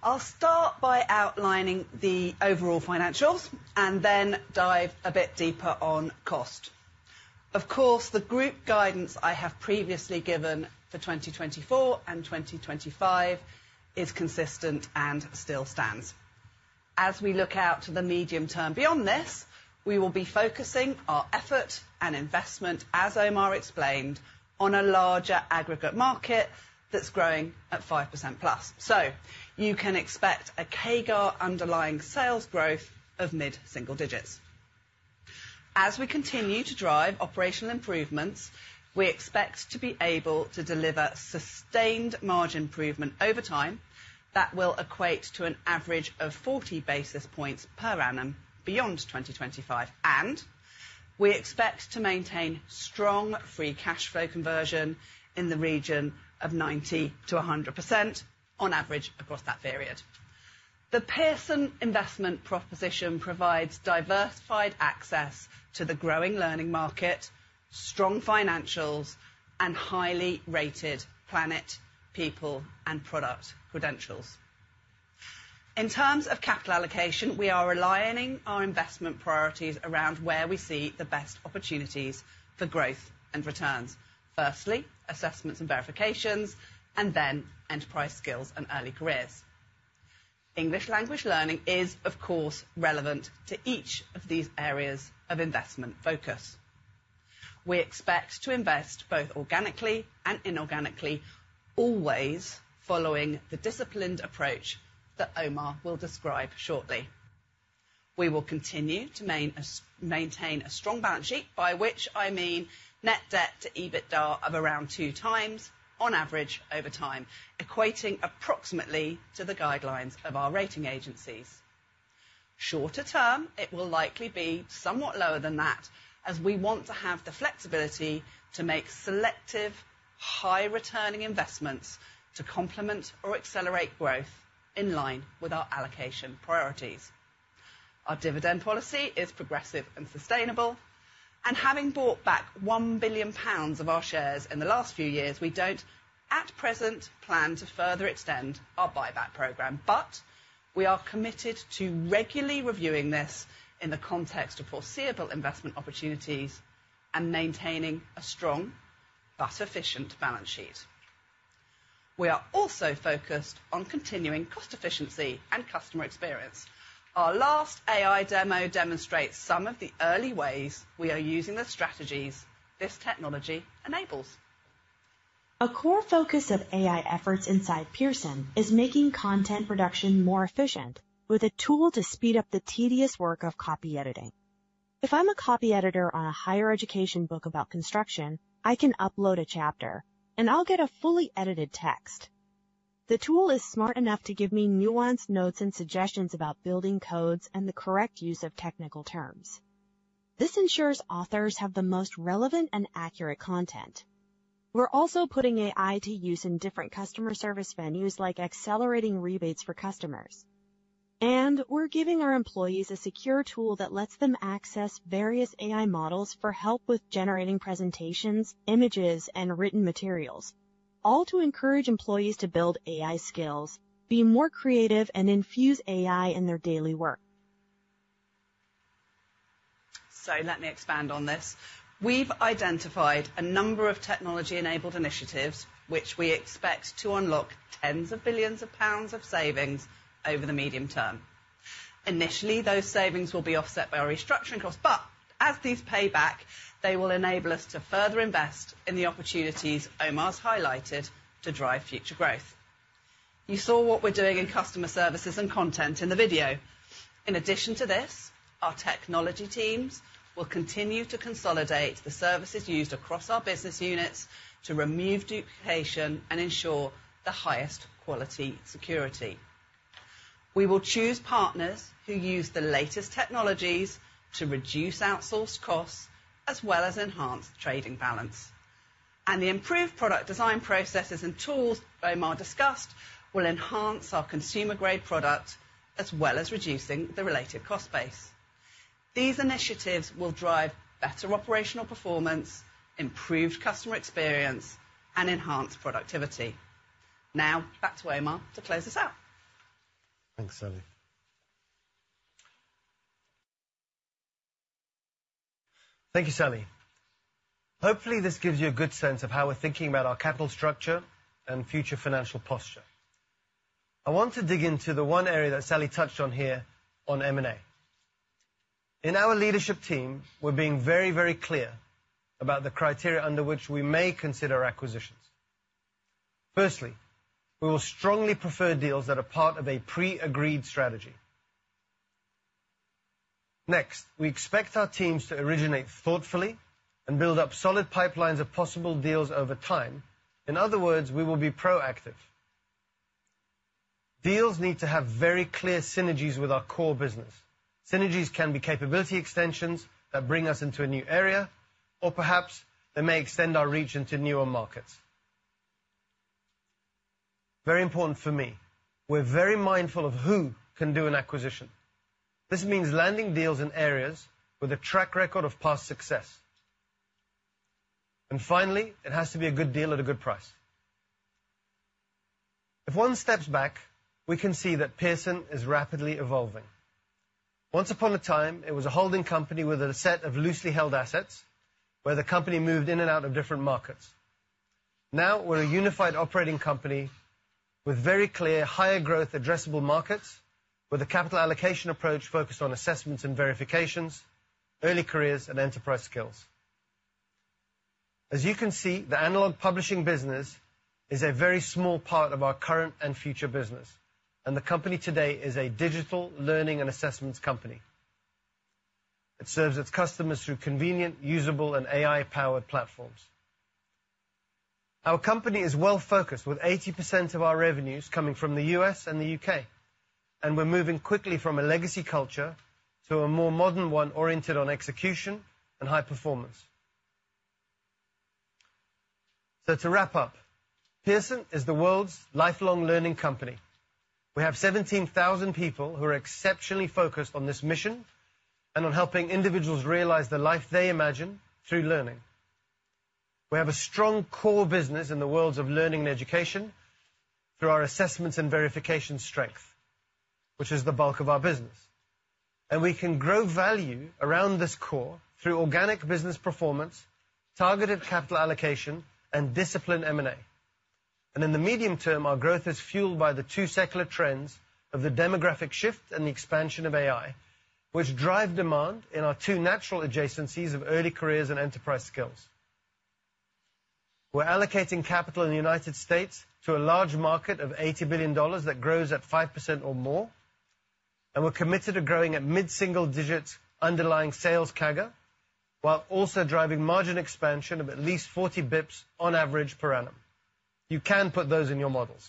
I'll start by outlining the overall financials and then dive a bit deeper on cost. Of course, the group guidance I have previously given for 2024 and 2025 is consistent and still stands. As we look out to the medium term beyond this, we will be focusing our effort and investment, as Omar explained, on a larger aggregate market that's growing at 5%+. So you can expect a CAGR underlying sales growth of mid-single digits. As we continue to drive operational improvements, we expect to be able to deliver sustained margin improvement over time that will equate to an average of 40 basis points per annum beyond 2025, and we expect to maintain strong free cash flow conversion in the region of 90%-100% on average across that period. The Pearson investment proposition provides diversified access to the growing learning market, strong financials, and highly rated planet, people, and product credentials. In terms of capital allocation, we are realigning our investment priorities around where we see the best opportunities for growth and returns. Firstly, assessments and verifications, and then enterprise skills and early careers. English language learning is, of course, relevant to each of these areas of investment focus. We expect to invest, both organically and inorganically, always following the disciplined approach that Omar will describe shortly. We will continue to maintain a strong balance sheet, by which I mean net debt to EBITDA of around 2x, on average, over time, equating approximately to the guidelines of our rating agencies. Shorter term, it will likely be somewhat lower than that, as we want to have the flexibility to make selective, high-returning investments to complement or accelerate growth in line with our allocation priorities. Our dividend policy is progressive and sustainable, and having bought back 1 billion pounds of our shares in the last few years, we don't, at present, plan to further extend our buyback program. But we are committed to regularly reviewing this in the context of foreseeable investment opportunities and maintaining a strong but sufficient balance sheet. We are also focused on continuing cost efficiency and customer experience. Our last AI demo demonstrates some of the early ways we are using the strategies this technology enables. A core focus of AI efforts inside Pearson is making content production more efficient, with a tool to speed up the tedious work of copy editing. If I'm a copy editor on a higher education book about construction, I can upload a chapter, and I'll get a fully edited text. The tool is smart enough to give me nuanced notes and suggestions about building codes and the correct use of technical terms. This ensures authors have the most relevant and accurate content. We're also putting AI to use in different customer service venues, like accelerating rebates for customers. And we're giving our employees a secure tool that lets them access various AI models for help with generating presentations, images, and written materials, all to encourage employees to build AI skills, be more creative, and infuse AI in their daily work. So let me expand on this. We've identified a number of technology-enabled initiatives, which we expect to unlock tens of billions GBP of savings over the medium term. Initially, those savings will be offset by our restructuring costs, but as these pay back, they will enable us to further invest in the opportunities Omar's highlighted to drive future growth. You saw what we're doing in customer services and content in the video. In addition to this, our technology teams will continue to consolidate the services used across our business units to remove duplication and ensure the highest quality security. ... We will choose partners who use the latest technologies to reduce outsourced costs, as well as enhance the trading balance. The improved product design processes and tools Omar discussed will enhance our consumer-grade product, as well as reducing the related cost base. These initiatives will drive better operational performance, improved customer experience, and enhanced productivity. Now, back to Omar to close us out. Thanks, Sally. Thank you, Sally. Hopefully, this gives you a good sense of how we're thinking about our capital structure and future financial posture. I want to dig into the one area that Sally touched on here on M&A. In our leadership team, we're being very, very clear about the criteria under which we may consider acquisitions. Firstly, we will strongly prefer deals that are part of a pre-agreed strategy. Next, we expect our teams to originate thoughtfully and build up solid pipelines of possible deals over time. In other words, we will be proactive. Deals need to have very clear synergies with our core business. Synergies can be capability extensions that bring us into a new area, or perhaps they may extend our reach into newer markets. Very important for me, we're very mindful of who can do an acquisition. This means landing deals in areas with a track record of past success. And finally, it has to be a good deal at a good price. If one steps back, we can see that Pearson is rapidly evolving. Once upon a time, it was a holding company with a set of loosely held assets, where the company moved in and out of different markets. Now, we're a unified operating company with very clear, higher growth, addressable markets, with a capital allocation approach focused on assessments and verifications, early careers, and enterprise skills. As you can see, the analog publishing business is a very small part of our current and future business, and the company today is a digital learning and assessments company. It serves its customers through convenient, usable, and AI-powered platforms. Our company is well-focused, with 80% of our revenues coming from the U.S. and the U.K., and we're moving quickly from a legacy culture to a more modern one oriented on execution and high performance. So to wrap up, Pearson is the world's lifelong learning company. We have 17,000 people who are exceptionally focused on this mission and on helping individuals realize the life they imagine through learning. We have a strong core business in the worlds of learning and education through our assessments and verification strength, which is the bulk of our business. And we can grow value around this core through organic business performance, targeted capital allocation, and disciplined M&A. In the medium term, our growth is fueled by the two secular trends of the demographic shift and the expansion of AI, which drive demand in our two natural adjacencies of early careers and enterprise skills. We're allocating capital in the United States to a large market of $80 billion that grows at 5% or more, and we're committed to growing at mid-single digit underlying sales CAGR, while also driving margin expansion of at least 40 basis points on average per annum. You can put those in your models.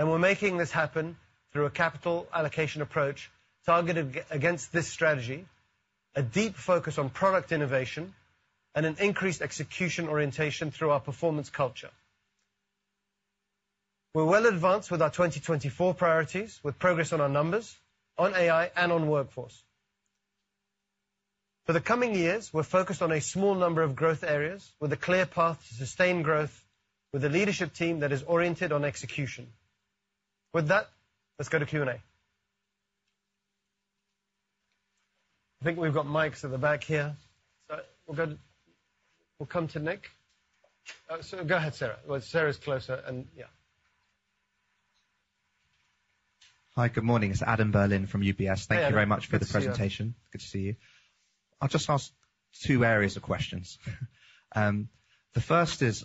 We're making this happen through a capital allocation approach targeted against this strategy, a deep focus on product innovation, and an increased execution orientation through our performance culture. We're well advanced with our 2024 priorities, with progress on our numbers, on AI, and on workforce. For the coming years, we're focused on a small number of growth areas with a clear path to sustained growth with a leadership team that is oriented on execution. With that, let's go to Q&A. I think we've got mics at the back here. So we'll go to... We'll come to Nick. So go ahead, Sarah. Well, Sarah's closer, and yeah. Hi, good morning. It's Adam Berlin from UBS. Hey, Adam. Good to see you. Thank you very much for the presentation. Good to see you. I'll just ask two areas of questions. The first is,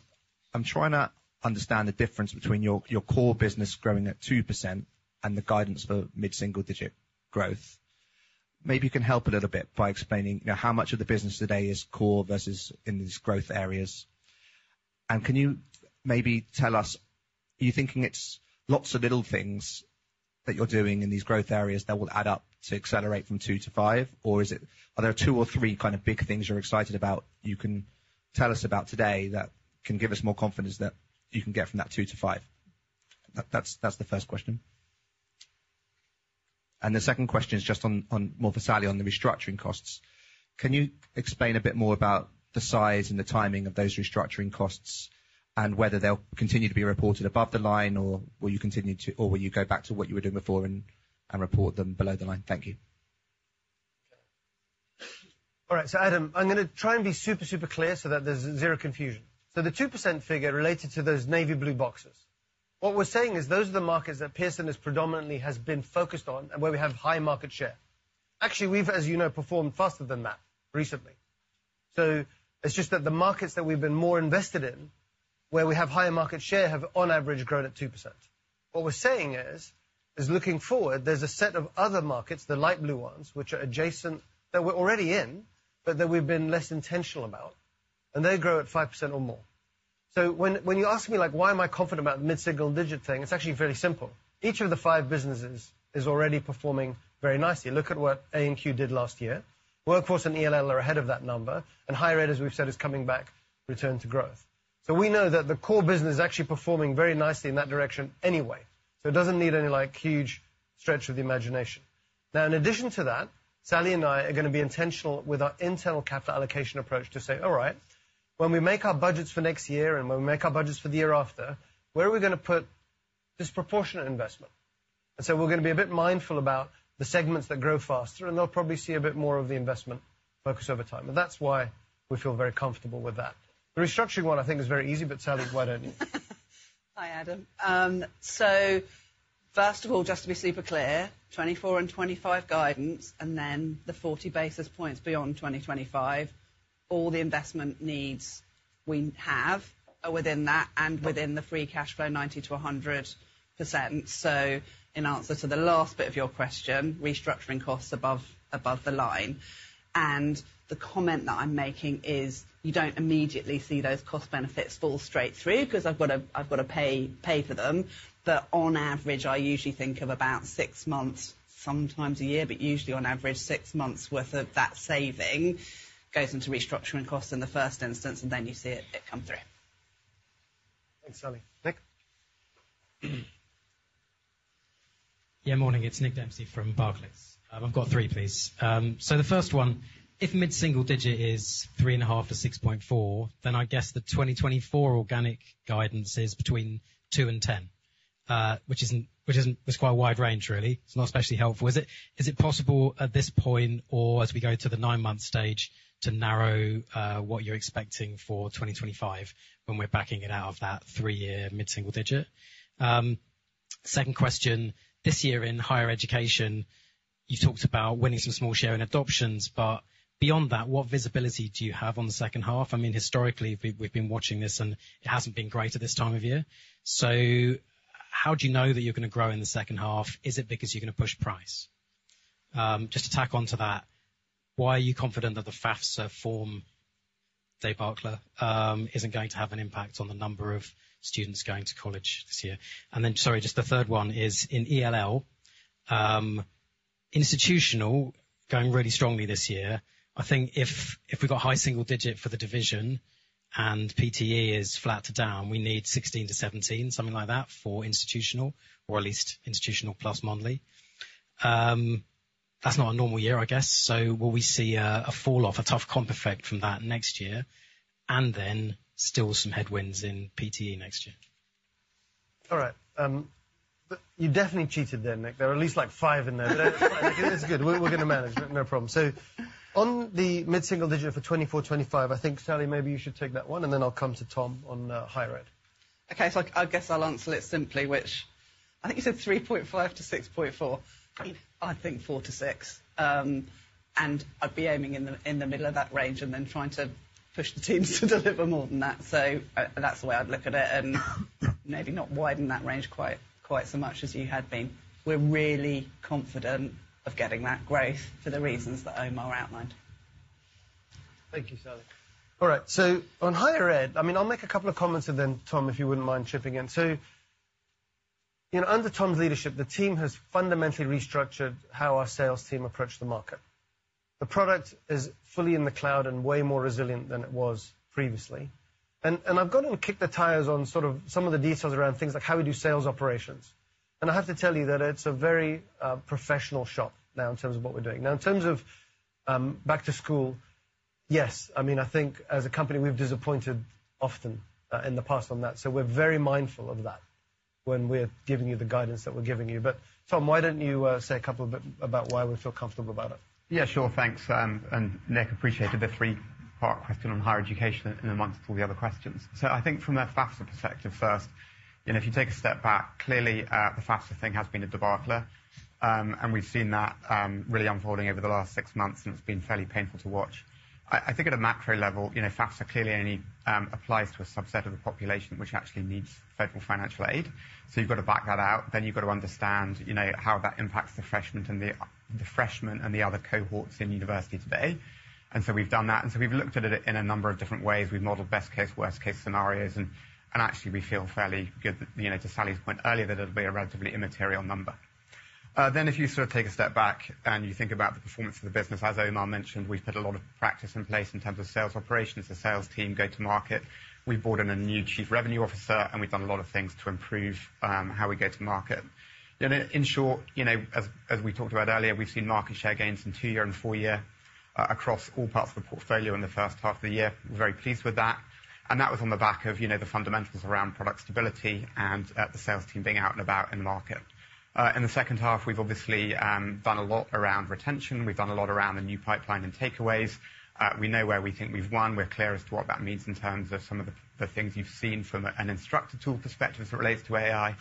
I'm trying to understand the difference between your core business growing at 2% and the guidance for mid-single-digit growth. Maybe you can help a little bit by explaining, you know, how much of the business today is core versus in these growth areas. And can you maybe tell us, are you thinking it's lots of little things that you're doing in these growth areas that will add up to accelerate from 2 to 5? Or is it, are there 2 or 3 kind of big things you're excited about, you can tell us about today that can give us more confidence that you can get from that 2 to 5? That's the first question. The second question is just on, on more for Sally, on the restructuring costs. Can you explain a bit more about the size and the timing of those restructuring costs, and whether they'll continue to be reported above the line, or will you continue to, or will you go back to what you were doing before and, and report them below the line? Thank you. All right, so Adam, I'm gonna try and be super, super clear so that there's zero confusion. So the 2% figure related to those navy blue boxes. What we're saying is those are the markets that Pearson is predominantly has been focused on and where we have high market share. Actually, we've, as you know, performed faster than that recently. So it's just that the markets that we've been more invested in, where we have higher market share, have, on average, grown at 2%. What we're saying is looking forward, there's a set of other markets, the light blue ones, which are adjacent, that we're already in, but that we've been less intentional about, and they grow at 5% or more. So when you ask me, like, why am I confident about the mid-single digit thing? It's actually fairly simple. Each of the five businesses is already performing very nicely. Look at what A&Q did last year. Workforce and ELL are ahead of that number, and higher ed, as we've said, is coming back, return to growth. So we know that the core business is actually performing very nicely in that direction anyway, so it doesn't need any, like, huge stretch of the imagination. Now, in addition to that, Sally and I are gonna be intentional with our internal capital allocation approach to say, "All right, when we make our budgets for next year, and when we make our budgets for the year after, where are we gonna put disproportionate investment?" And so we're gonna be a bit mindful about the segments that grow faster, and they'll probably see a bit more of the investment focus over time, and that's why we feel very comfortable with that. The restructuring one, I think, is very easy, but Sally, why don't you? Hi, Adam. So first of all, just to be super clear, 2024 and 2025 guidance, and then the 40 basis points beyond 2025, all the investment needs we have are within that and within the free cash flow, 90%-100%. So in answer to the last bit of your question, restructuring costs above, above the line, and the comment that I'm making is you don't immediately see those cost benefits fall straight through, 'cause I've got to, I've got to pay, pay for them. But on average, I usually think of about six months, sometimes a year, but usually on average, six months' worth of that saving goes into restructuring costs in the first instance, and then you see it, it come through. Thanks, Sally. Nick? Yeah, morning. It's Nick Dempsey from Barclays. I've got three, please. So the first one, if mid-single digit is 3.5-6.4, then I guess the 2024 organic guidance is between 2-10, which isn't, which isn't... It's quite a wide range, really. It's not especially helpful, is it? Is it possible at this point or as we go to the nine-month stage, to narrow what you're expecting for 2025, when we're backing it out of that three-year mid-single digit? Second question: this year in higher education, you've talked about winning some small share and adoptions, but beyond that, what visibility do you have on the second half? I mean, historically, we've been watching this, and it hasn't been great at this time of year. So how do you know that you're gonna grow in the second half? Is it because you're gonna push price? Just to tack on to that, why are you confident that the FAFSA form debacle isn't going to have an impact on the number of students going to college this year? And then, sorry, just the third one is, in ELL, institutional going really strongly this year. I think if, if we've got high single digit for the division and PTE is flat to down, we need 16-17, something like that, for institutional or at least institutional plus monthly. That's not a normal year, I guess. So will we see a fall-off, a tough comp effect from that next year, and then still some headwinds in PTE next year? All right, but you definitely cheated there, Nick. There are at least, like, five in there, but it's good. We're gonna manage. No problem. So on the mid-single digit for 2024, 2025, I think, Sally, maybe you should take that one, and then I'll come to Tom on higher ed. Okay, so I guess I'll answer it simply, which I think you said 3.5-6.4. I think 4-6, and I'd be aiming in the, in the middle of that range and then trying to push the teams to deliver more than that. So that's the way I'd look at it, and maybe not widen that range quite, quite so much as you had been. We're really confident of getting that growth for the reasons that Omar outlined. Thank you, Sally. All right, so on higher ed, I mean, I'll make a couple of comments, and then, Tom, if you wouldn't mind chipping in, too. You know, under Tom's leadership, the team has fundamentally restructured how our sales team approach the market. The product is fully in the cloud and way more resilient than it was previously. And I've gone and kicked the tires on sort of some of the details around things like how we do sales operations, and I have to tell you that it's a very professional shop now in terms of what we're doing. Now, in terms of back to school, yes, I mean, I think as a company, we've disappointed often in the past on that, so we're very mindful of that when we're giving you the guidance that we're giving you. But, Tom, why don't you say a couple of bit about why we feel comfortable about it? Yeah, sure. Thanks, and Nick, appreciated the three-part question on higher education among all the other questions. So I think from a FAFSA perspective first, and if you take a step back, clearly, the FAFSA thing has been a debacle, and we've seen that, really unfolding over the last six months, and it's been fairly painful to watch. I, I think at a macro level, you know, FAFSA clearly only applies to a subset of the population, which actually needs federal financial aid, so you've got to back that out. Then you've got to understand, you know, how that impacts the freshmen and the other cohorts in university today. And so we've done that, and so we've looked at it in a number of different ways. We've modeled best-case, worst-case scenarios, and actually, we feel fairly good, you know, to Sally's point earlier, that it'll be a relatively immaterial number. Then if you sort of take a step back and you think about the performance of the business, as Omar mentioned, we've put a lot of practice in place in terms of sales operations, the sales team go-to-market. We've brought in a new chief revenue officer, and we've done a lot of things to improve how we go to market. You know, in short, you know, as we talked about earlier, we've seen market share gains in two-year and four-year across all parts of the portfolio in the first half of the year. We're very pleased with that, and that was on the back of, you know, the fundamentals around product stability and the sales team being out and about in the market. In the second half, we've obviously done a lot around retention. We've done a lot around the new pipeline and takeaways. We know where we think we've won. We're clear as to what that means in terms of some of the things you've seen from an instructor tool perspective as it relates to AI,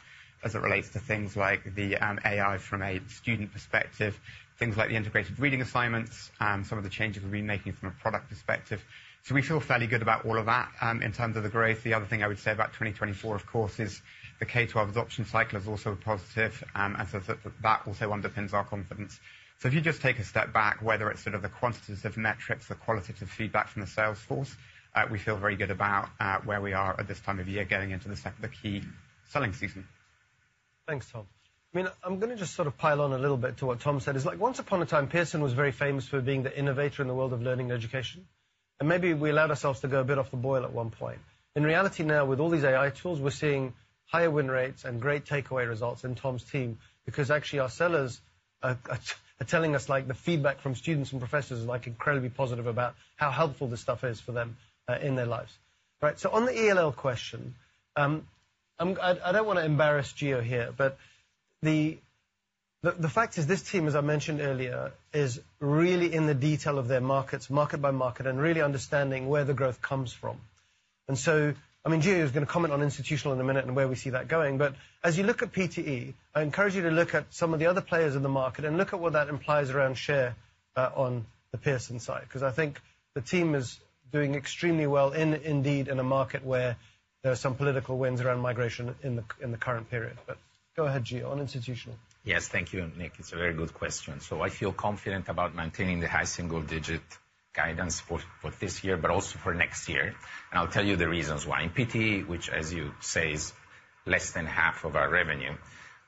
as it relates to things like the AI from a student perspective, things like the integrated reading assignments, some of the changes we've been making from a product perspective. So we feel fairly good about all of that. In terms of the growth, the other thing I would say about 2024, of course, is the K-12 adoption cycle is also a positive, and so that also underpins our confidence. So if you just take a step back, whether it's sort of the quantitative metrics, the qualitative feedback from the sales force, we feel very good about where we are at this time of year, getting into the key selling season.... Thanks, Tom. I mean, I'm gonna just sort of pile on a little bit to what Tom said. It's like once upon a time, Pearson was very famous for being the innovator in the world of learning and education, and maybe we allowed ourselves to go a bit off the boil at one point. In reality now, with all these AI tools, we're seeing higher win rates and great takeaway results in Tom's team, because actually, our sellers are telling us, like, the feedback from students and professors is, like, incredibly positive about how helpful this stuff is for them in their lives. Right, so on the ELL question, I don't wanna embarrass Gio here, but the fact is, this team, as I mentioned earlier, is really in the detail of their markets, market by market, and really understanding where the growth comes from. And so, I mean, Gio is gonna comment on institutional in a minute and where we see that going, but as you look at PTE, I encourage you to look at some of the other players in the market and look at what that implies around share, on the Pearson side, 'cause I think the team is doing extremely well, indeed, in a market where there are some political winds around migration in the current period. But go ahead, Gio, on institutional. Yes, thank you, Nick. It's a very good question. So I feel confident about maintaining the high single-digit guidance for this year, but also for next year, and I'll tell you the reasons why. In PTE, which, as you say, is less than half of our revenue,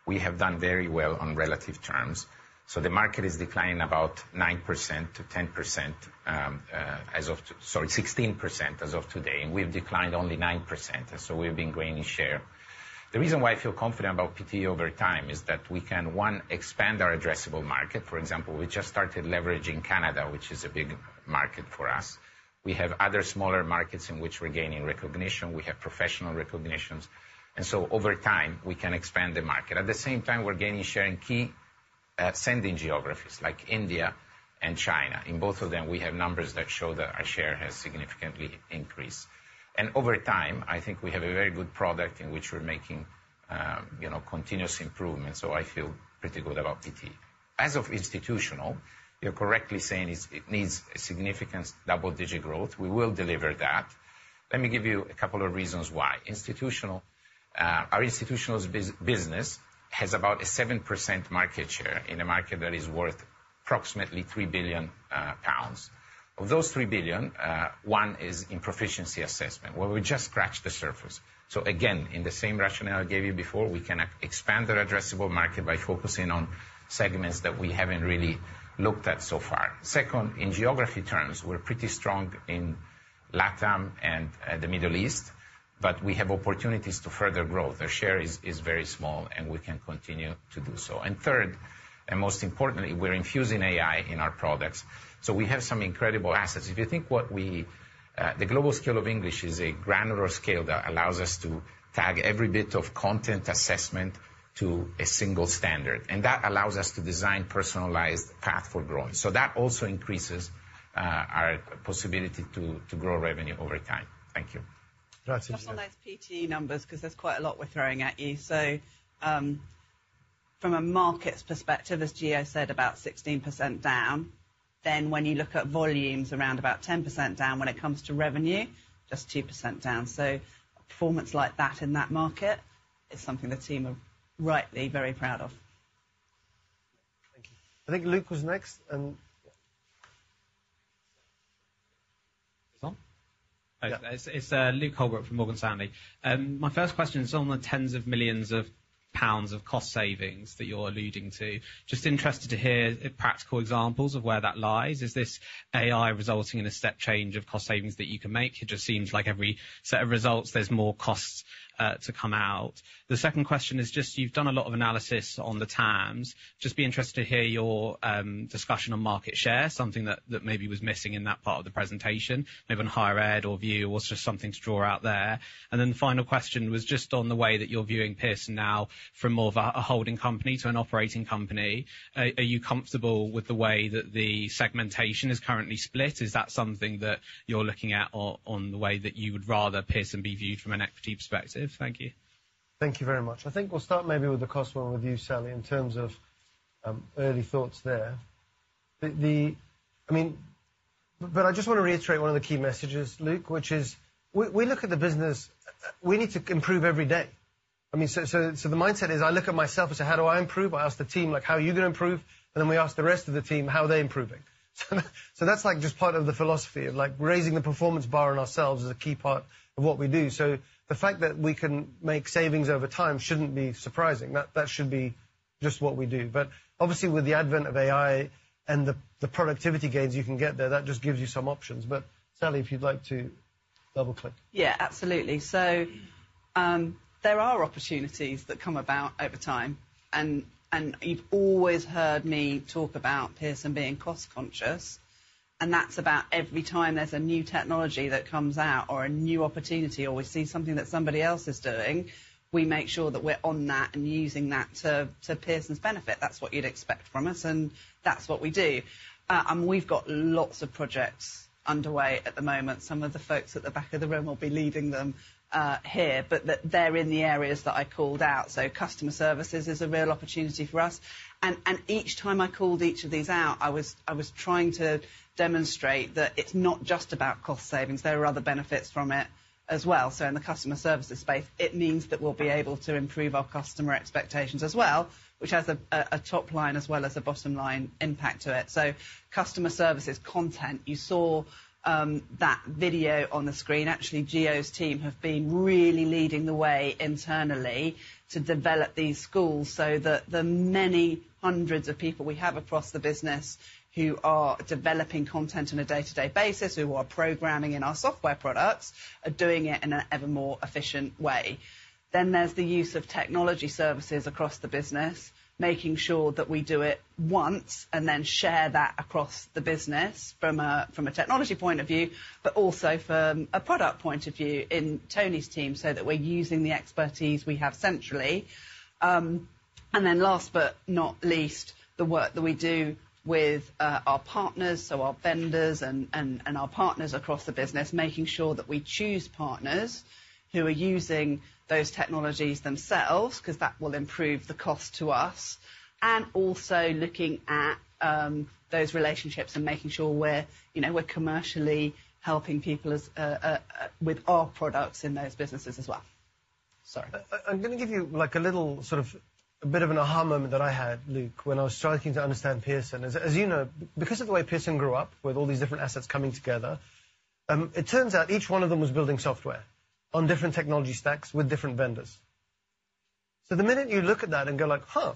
we have done very well on relative terms. So the market is declining about 9%-10% as of today, 16%, and we've declined only 9%, so we've been gaining share. The reason why I feel confident about PTE over time is that we can, one, expand our addressable market. For example, we just started leveraging Canada, which is a big market for us. We have other smaller markets in which we're gaining recognition. We have professional recognitions, and so over time, we can expand the market. At the same time, we're gaining share in key, sending geographies like India and China. In both of them, we have numbers that show that our share has significantly increased. And over time, I think we have a very good product in which we're making, you know, continuous improvement, so I feel pretty good about PTE. As of institutional, you're correctly saying it's, it needs significant double-digit growth. We will deliver that. Let me give you a couple of reasons why. Institutional, our institutional business has about a 7% market share in a market that is worth approximately 3 billion pounds. Of those 3 billion, 1 is in proficiency assessment, where we just scratched the surface. So again, in the same rationale I gave you before, we can expand our addressable market by focusing on segments that we haven't really looked at so far. Second, in geography terms, we're pretty strong in LatAm and the Middle East, but we have opportunities to further growth. The share is very small, and we can continue to do so. And third, and most importantly, we're infusing AI in our products, so we have some incredible assets. If you think what we... the Global Scale of English is a granular scale that allows us to tag every bit of content assessment to a single standard, and that allows us to design personalized path for growth. So that also increases our possibility to grow revenue over time. Thank you. Right. Just on those PTE numbers, 'cause there's quite a lot we're throwing at you. So, from a markets perspective, as Gio said, about 16% down. Then when you look at volumes, around about 10% down. When it comes to revenue, just 2% down. So performance like that in that market is something the team are rightly very proud of. Thank you. I think Luke was next, and yeah. It's on? Yeah. Luke Holbrook from Morgan Stanley. My first question is on the tens of millions of pounds of cost savings that you're alluding to. Just interested to hear practical examples of where that lies. Is this AI resulting in a step change of cost savings that you can make? It just seems like every set of results, there's more costs to come out. The second question is just, you've done a lot of analysis on the TAMs. Just be interested to hear your discussion on market share, something that, that maybe was missing in that part of the presentation, maybe on higher ed or VUE or just something to draw out there. And then the final question was just on the way that you're viewing Pearson now from more of a, a holding company to an operating company. Are you comfortable with the way that the segmentation is currently split? Is that something that you're looking at or on the way that you would rather Pearson be viewed from an equity perspective? Thank you. Thank you very much. I think we'll start maybe with the cost one with you, Sally, in terms of, early thoughts there. I mean... But I just want to reiterate one of the key messages, Luke, which is we look at the business, we need to improve every day. I mean, so the mindset is, I look at myself and say: How do I improve? I ask the team, like: How are you gonna improve? And then we ask the rest of the team how are they improving. So that's, like, just part of the philosophy, of like, raising the performance bar on ourselves is a key part of what we do. So the fact that we can make savings over time shouldn't be surprising. That should be just what we do. But obviously, with the advent of AI and the productivity gains you can get there, that just gives you some options. But Sally, if you'd like to double-click. Yeah, absolutely. So, there are opportunities that come about over time, and, and you've always heard me talk about Pearson being cost conscious, and that's about every time there's a new technology that comes out or a new opportunity, or we see something that somebody else is doing, we make sure that we're on that and using that to Pearson's benefit. That's what you'd expect from us, and that's what we do. And we've got lots of projects underway at the moment. Some of the folks at the back of the room will be leading them here, but that they're in the areas that I called out. So customer services is a real opportunity for us, and each time I called each of these out, I was trying to demonstrate that it's not just about cost savings, there are other benefits from it as well. So in the customer services space, it means that we'll be able to improve our customer expectations as well, which has a top line as well as a bottom-line impact to it. So customer services content, you saw that video on the screen. Actually, Gio's team have been really leading the way internally to develop these schools so that the many hundreds of people we have across the business who are developing content on a day-to-day basis, who are programming in our software products, are doing it in an ever more efficient way. Then there's the use of technology services across the business, making sure that we do it once and then share that across the business from a technology point of view, but also from a product point of view in Tony's team, so that we're using the expertise we have centrally. ...And then last but not least, the work that we do with our partners, so our vendors and our partners across the business, making sure that we choose partners who are using those technologies themselves, 'cause that will improve the cost to us. And also looking at those relationships and making sure we're, you know, we're commercially helping people as a with our products in those businesses as well. Sorry. I'm gonna give you, like, a little sort of a bit of an aha moment that I had, Luke, when I was starting to understand Pearson. As, as you know, because of the way Pearson grew up, with all these different assets coming together, it turns out each one of them was building software on different technology stacks with different vendors. So the minute you look at that and go like: Huh,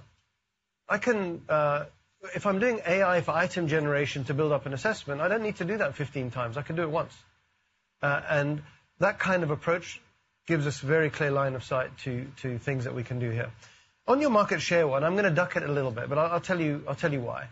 I can, if I'm doing AI for item generation to build up an assessment, I don't need to do that 15 times. I can do it once. And that kind of approach gives us very clear line of sight to, to things that we can do here. On your market share one, I'm gonna duck it a little bit, but I'll, I'll tell you, I'll tell you why.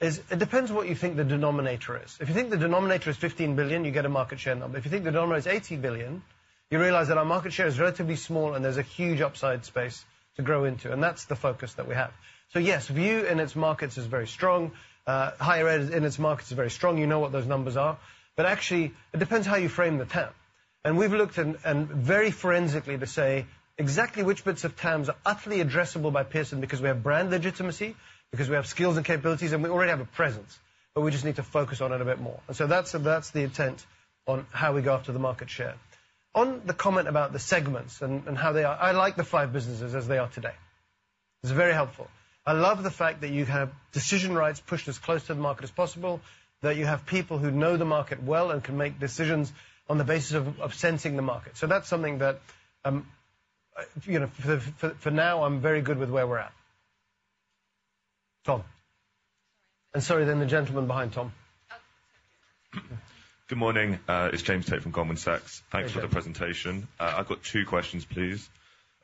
It depends on what you think the denominator is. If you think the denominator is 15 billion, you get a market share number. If you think the denominator is 80 billion, you realize that our market share is relatively small, and there's a huge upside space to grow into, and that's the focus that we have. So yes, VUE in its markets is very strong. Higher Ed in its markets is very strong. You know what those numbers are. But actually, it depends how you frame the TAM. And we've looked and very forensically to say exactly which bits of TAMs are utterly addressable by Pearson, because we have brand legitimacy, because we have skills and capabilities, and we already have a presence, but we just need to focus on it a bit more. And so that's the intent on how we go after the market share. On the comment about the segments and how they are, I like the five businesses as they are today. It's very helpful. I love the fact that you have decision rights pushed as close to the market as possible, that you have people who know the market well and can make decisions on the basis of sensing the market. So that's something that, you know, for now, I'm very good with where we're at. Tom. And sorry, then the gentleman behind Tom. Good morning. It's James Tate from Goldman Sachs. Hey, James. Thanks for the presentation. I've got two questions, please.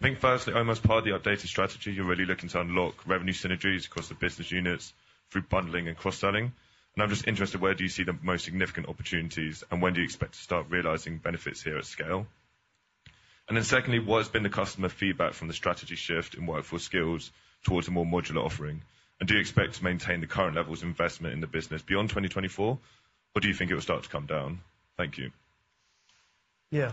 I think firstly, Omar, as part of your updated strategy, you're really looking to unlock revenue synergies across the business units through bundling and cross-selling. I'm just interested, where do you see the most significant opportunities, and when do you expect to start realizing benefits here at scale? Then secondly, what has been the customer feedback from the strategy shift in Workforce Skills towards a more modular offering? And do you expect to maintain the current levels of investment in the business beyond 2024, or do you think it will start to come down? Thank you. Yeah.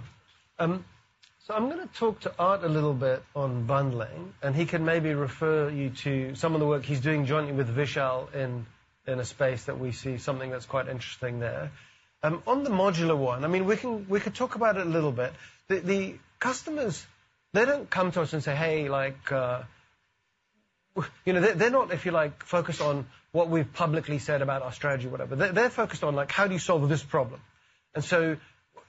So I'm gonna talk to Art a little bit on bundling, and he can maybe refer you to some of the work he's doing jointly with Vishal in a space that we see something that's quite interesting there. On the modular one, I mean, we can, we could talk about it a little bit. The customers, they don't come to us and say: "Hey, like..." You know, they, they're not, if you like, focused on what we've publicly said about our strategy or whatever. They're focused on, like, how do you solve this problem? And so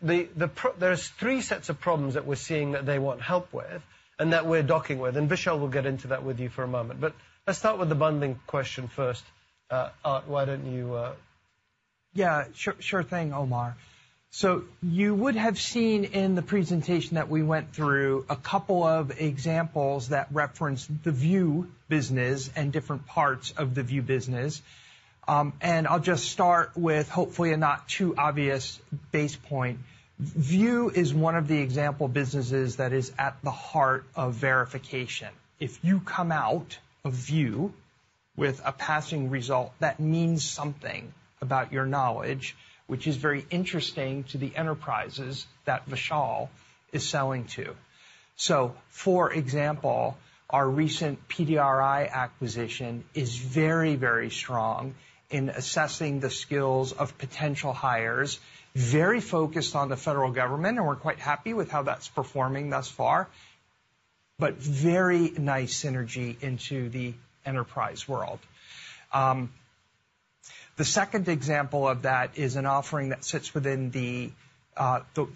the pro-- there's three sets of problems that we're seeing that they want help with and that we're docking with, and Vishal will get into that with you for a moment. But let's start with the bundling question first. Art, why don't you? Yeah, sure, sure thing, Omar. So you would have seen in the presentation that we went through a couple of examples that reference the VUE business and different parts of the VUE business. And I'll just start with, hopefully, a not too obvious base point. VUE is one of the example businesses that is at the heart of verification. If you come out of VUE with a passing result, that means something about your knowledge, which is very interesting to the enterprises that Vishal is selling to. So for example, our recent PDRI acquisition is very, very strong in assessing the skills of potential hires, very focused on the federal government, and we're quite happy with how that's performing thus far, but very nice synergy into the enterprise world. The second example of that is an offering that sits within the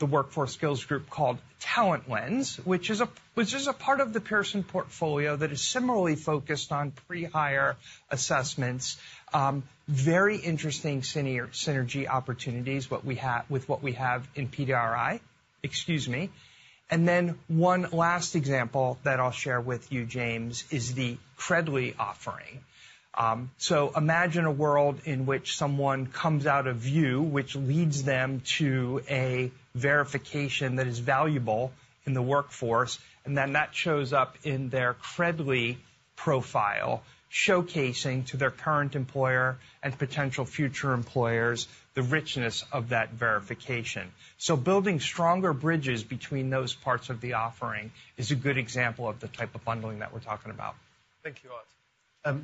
Workforce Skills group called TalentLens, which is a part of the Pearson portfolio that is similarly focused on pre-hire assessments. Very interesting synergy opportunities with what we have in PDRI. Excuse me. Then one last example that I'll share with you, James, is the Credly offering. So imagine a world in which someone comes out of VUE, which leads them to a verification that is valuable in the workforce, and then that shows up in their Credly profile, showcasing to their current employer and potential future employers the richness of that verification. Building stronger bridges between those parts of the offering is a good example of the type of bundling that we're talking about. Thank you, Art.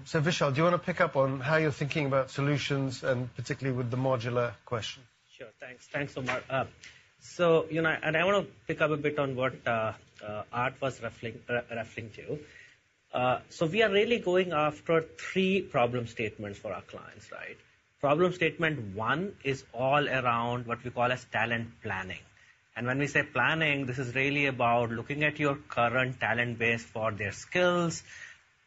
So Vishal, do you wanna pick up on how you're thinking about solutions, and particularly with the modular question? Sure. Thanks. Thanks, Omar. So, you know, I wanna pick up a bit on what Art was referring to. So we are really going after three problem statements for our clients, right? Problem statement one is all around what we call as talent planning. And when we say planning, this is really about looking at your current talent base for their skills....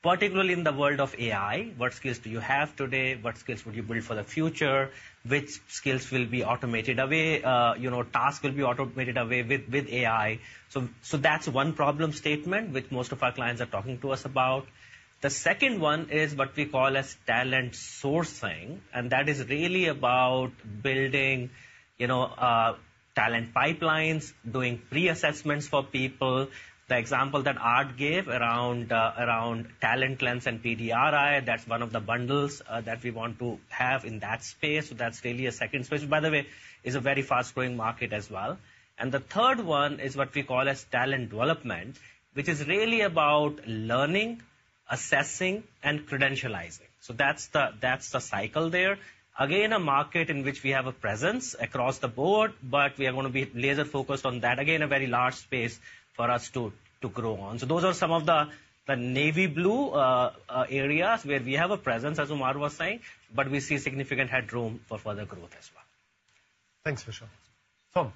particularly in the world of AI, what skills do you have today? What skills will you build for the future? Which skills will be automated away, you know, tasks will be automated away with AI? So that's one problem statement, which most of our clients are talking to us about. The second one is what we call as talent sourcing, and that is really about building, you know, talent pipelines, doing pre-assessments for people. The example that Art gave around, around TalentLens and PDRI, that's one of the bundles that we want to have in that space. So that's really a second space, which, by the way, is a very fast-growing market as well. And the third one is what we call as talent development, which is really about learning, assessing, and credentializing. So that's the cycle there. Again, a market in which we have a presence across the board, but we are gonna be laser-focused on that. Again, a very large space for us to grow on. So those are some of the navy blue areas where we have a presence, as Omar was saying, but we see significant headroom for further growth as well. Thanks, Vishal. Tom?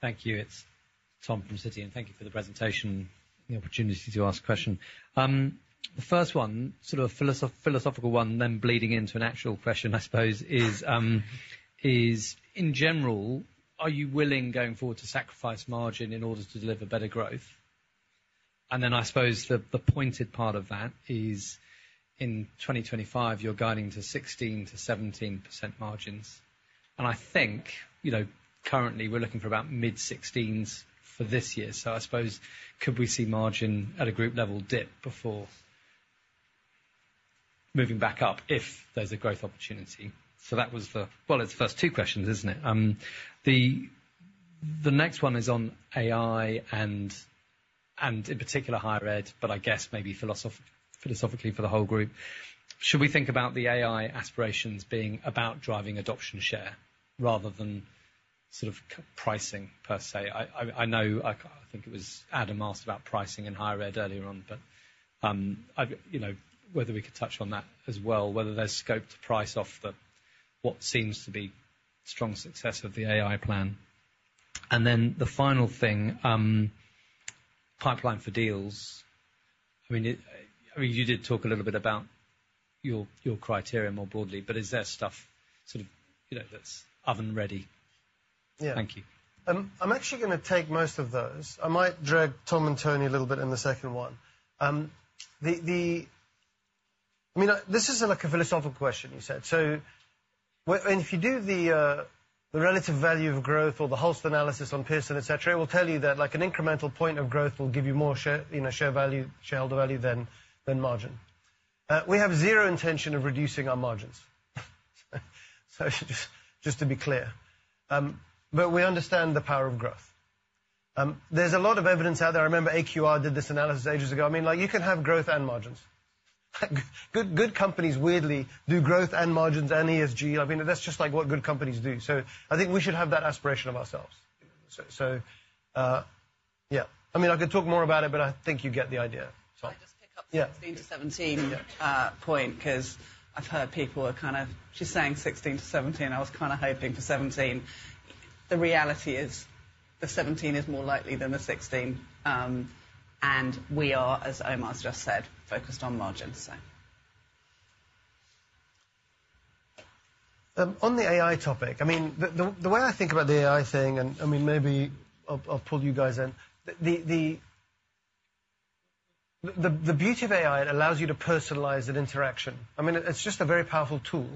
Thank you. It's Tom from Citi, and thank you for the presentation, and the opportunity to ask a question. The first one, sort of a philosophical one, then bleeding into an actual question, I suppose, is, in general, are you willing, going forward, to sacrifice margin in order to deliver better growth? And then, I suppose, the pointed part of that is, in 2025, you're guiding to 16%-17% margins, and I think, you know, currently, we're looking for about mid-16s for this year. So I suppose, could we see margin at a group level dip before moving back up if there's a growth opportunity? So that was the... Well, it's the first two questions, isn't it? The next one is on AI and, in particular, higher ed, but I guess maybe philosophically for the whole group. Should we think about the AI aspirations being about driving adoption share rather than sort of pricing per se? I know, I think it was Adam asked about pricing in higher ed earlier on, but I, you know, whether we could touch on that as well, whether there's scope to price off the, what seems to be strong success of the AI plan. And then the final thing, pipeline for deals. I mean, you did talk a little bit about your criteria more broadly, but is there stuff sort of, you know, that's oven-ready? Yeah. Thank you. I'm actually gonna take most of those. I might drag Tom and Tony a little bit in the second one. I mean, this is, like, a philosophical question you said. And if you do the relative value of growth or the Holst analysis on Pearson, et cetera, it will tell you that, like, an incremental point of growth will give you more share, you know, share value, shareholder value than margin. We have zero intention of reducing our margins. So just, just to be clear, but we understand the power of growth. There's a lot of evidence out there. I remember AQR did this analysis ages ago. I mean, like, you can have growth and margins. Like, good, good companies weirdly do growth and margins and ESG. I mean, that's just, like, what good companies do. So I think we should have that aspiration of ourselves. So, yeah. I mean, I could talk more about it, but I think you get the idea. So- Can I just pick up- Yeah. the 16 to 17 point, 'cause I've heard people are kind of, "She's saying 16 to 17. I was kinda hoping for 17." The reality is, the 17 is more likely than the 16, and we are, as Omar's just said, focused on margins, so. On the AI topic, I mean, the way I think about the AI thing, and I mean, maybe I'll pull you guys in. The beauty of AI, it allows you to personalize an interaction. I mean, it's just a very powerful tool.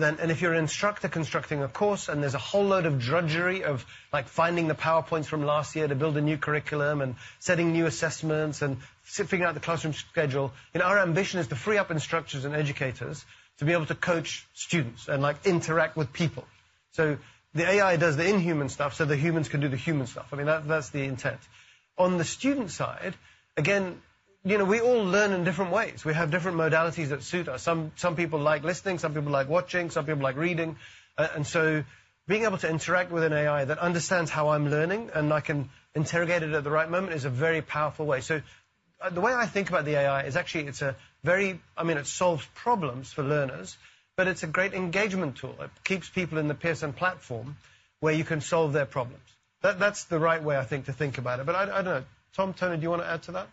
Then, if you're an instructor constructing a course, and there's a whole load of drudgery of, like, finding the PowerPoints from last year to build a new curriculum and setting new assessments and figuring out the classroom schedule, and our ambition is to free up instructors and educators to be able to coach students and, like, interact with people. So the AI does the inhuman stuff, so the humans can do the human stuff. I mean, that's the intent. On the student side, again, you know, we all learn in different ways. We have different modalities that suit us. Some, some people like listening, some people like watching, some people like reading, and so being able to interact with an AI that understands how I'm learning and I can interrogate it at the right moment is a very powerful way. So the way I think about the AI is actually it's a very... I mean, it solves problems for learners, but it's a great engagement tool. It keeps people in the Pearson platform, where you can solve their problems. That, that's the right way, I think, to think about it. But I, I don't know. Tom, Tony, do you wanna add to that?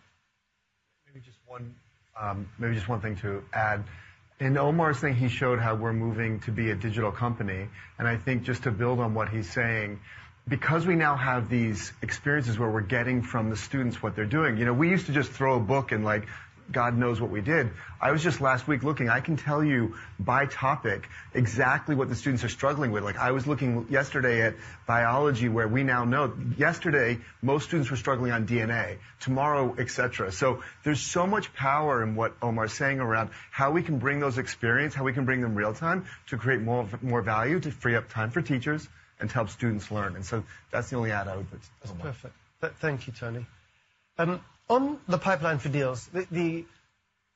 Maybe just one thing to add. In Omar's thing, he showed how we're moving to be a digital company, and I think just to build on what he's saying, because we now have these experiences where we're getting from the students what they're doing, you know, we used to just throw a book and, like, God knows what we did. I was just last week looking. I can tell you by topic exactly what the students are struggling with. Like, I was looking yesterday at biology, where we now know, yesterday, most students were struggling on DNA, tomorrow, et cetera. So there's so much power in what Omar is saying around how we can bring those experience, how we can bring them real time to create more value, to free up time for teachers and to help students learn. That's the only add I would put. That's perfect. Thank you, Tony. On the pipeline for deals,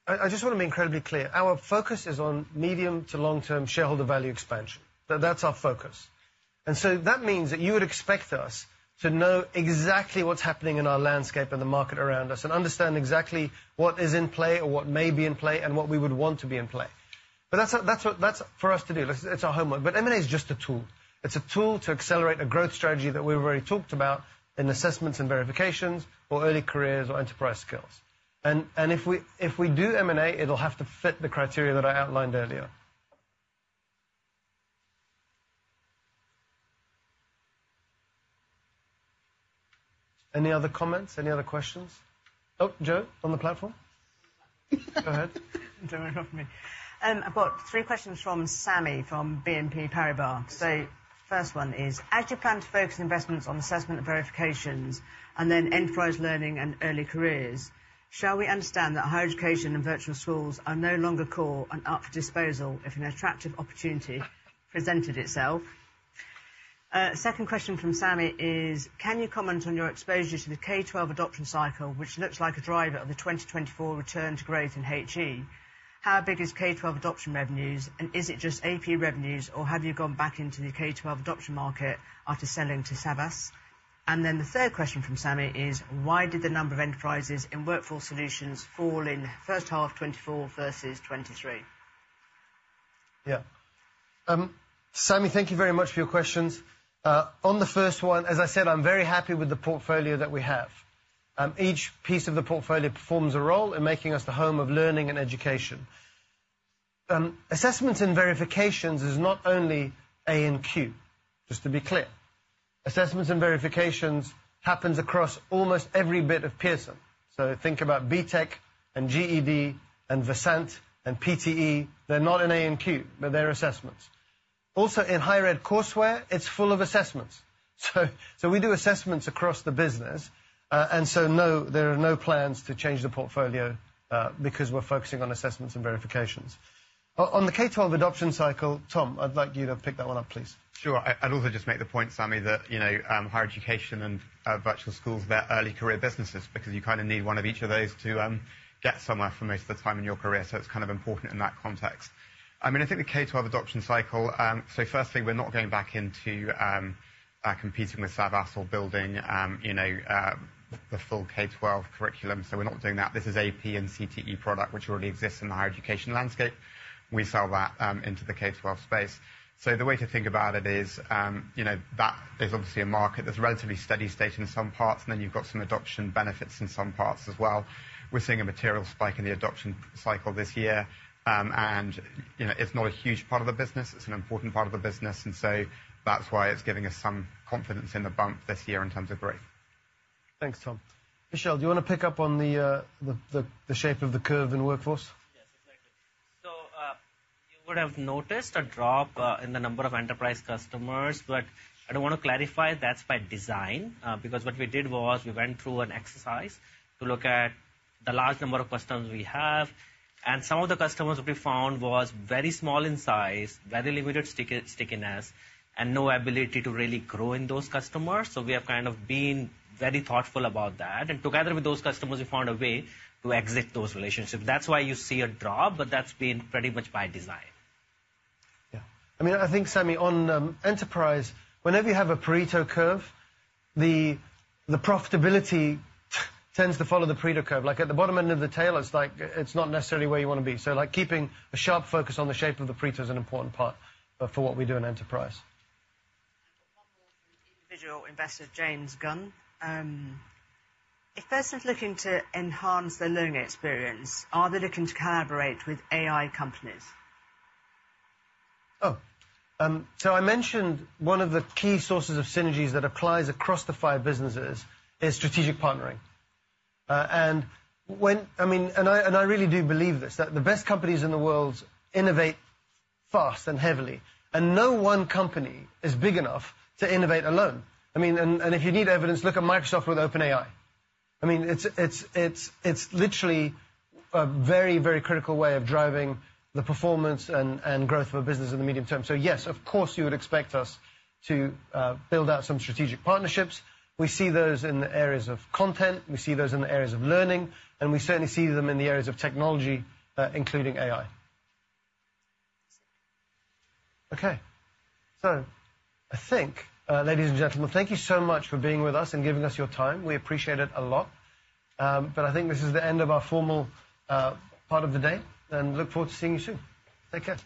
I just want to be incredibly clear. Our focus is on medium to long-term shareholder value expansion. That's our focus. And so that means that you would expect us to know exactly what's happening in our landscape and the market around us and understand exactly what is in play or what may be in play and what we would want to be in play. But that's for us to do. It's our homework. But M&A is just a tool. It's a tool to accelerate a growth strategy that we've already talked about in assessments and verifications or early careers or enterprise skills. And if we do M&A, it'll have to fit the criteria that I outlined earlier. Any other comments? Any other questions? Oh, Joe, on the platform. Go ahead. Don't worry about me. I've got three questions from Sami, from BNP Paribas. So first one is: As you plan to focus investments on assessment and verifications and then enterprise learning and early careers, shall we understand that higher education and virtual schools are no longer core and up for disposal if an attractive opportunity presented itself? Second question from Sami is: Can you comment on your exposure to the K-12 adoption cycle, which looks like a driver of the 2024 return to growth in HE? How big is K-12 adoption revenues, and is it just AP revenues, or have you gone back into the K-12 adoption market after selling to Savvas? And then the third question from Sami is: Why did the number of enterprises in Workforce Solutions fall in first half 2024 versus 2023? Yeah. Sami, thank you very much for your questions. On the first one, as I said, I'm very happy with the portfolio that we have. Each piece of the portfolio performs a role in making us the home of learning and education. Assessments and verifications is not only A and Q, just to be clear. Assessments and verifications happens across almost every bit of Pearson. So think about BTEC and GED and Versant and PTE. They're not in A and Q, but they're assessments. Also, in higher ed courseware, it's full of assessments. So we do assessments across the business. And so, no, there are no plans to change the portfolio, because we're focusing on assessments and verifications. On the K-12 adoption cycle, Tom, I'd like you to pick that one up, please. Sure. I, I'd also just make the point, Sami, that, you know, higher education and virtual schools, they're early career businesses, because you kind of need one of each of those to get somewhere for most of the time in your career. So it's kind of important in that context. I mean, I think the K-12 adoption cycle, so firstly, we're not going back into competing with Savvas or building, you know, the full K-12 curriculum, so we're not doing that. This is AP and CTE product, which already exists in the higher education landscape. We sell that into the K-12 space. So the way to think about it is, you know, that there's obviously a market that's relatively steady state in some parts, and then you've got some adoption benefits in some parts as well. We're seeing a material spike in the adoption cycle this year. And, you know, it's not a huge part of the business, it's an important part of the business, and so that's why it's giving us some confidence in the bump this year in terms of growth. Thanks, Tom. Vishal, do you want to pick up on the shape of the curve in Workforce? Yes, exactly. So, you would have noticed a drop in the number of enterprise customers, but I do want to clarify that's by design, because what we did was we went through an exercise to look at the large number of customers we have, and some of the customers what we found was very small in size, very limited stickiness, and no ability to really grow in those customers. So we have kind of been very thoughtful about that, and together with those customers, we found a way to exit those relationships. That's why you see a drop, but that's been pretty much by design. Yeah. I mean, I think, Sami, on enterprise, whenever you have a Pareto curve, the profitability tends to follow the Pareto curve. Like, at the bottom end of the tail, it's like, it's not necessarily where you want to be. So, like, keeping a sharp focus on the shape of the Pareto is an important part of for what we do in enterprise. One more from individual investor, James Gunn. If Pearson looking to enhance their learning experience, are they looking to collaborate with AI companies? Oh, so I mentioned one of the key sources of synergies that applies across the five businesses is strategic partnering. And when I mean, and I, and I really do believe this, that the best companies in the world innovate fast and heavily, and no one company is big enough to innovate alone. I mean, and if you need evidence, look at Microsoft with OpenAI. I mean, it's literally a very, very critical way of driving the performance and growth of a business in the medium term. So yes, of course, you would expect us to build out some strategic partnerships. We see those in the areas of content, we see those in the areas of learning, and we certainly see them in the areas of technology, including AI. Okay. So I think, ladies and gentlemen, thank you so much for being with us and giving us your time. We appreciate it a lot. But I think this is the end of our formal part of the day, and look forward to seeing you soon. Take care.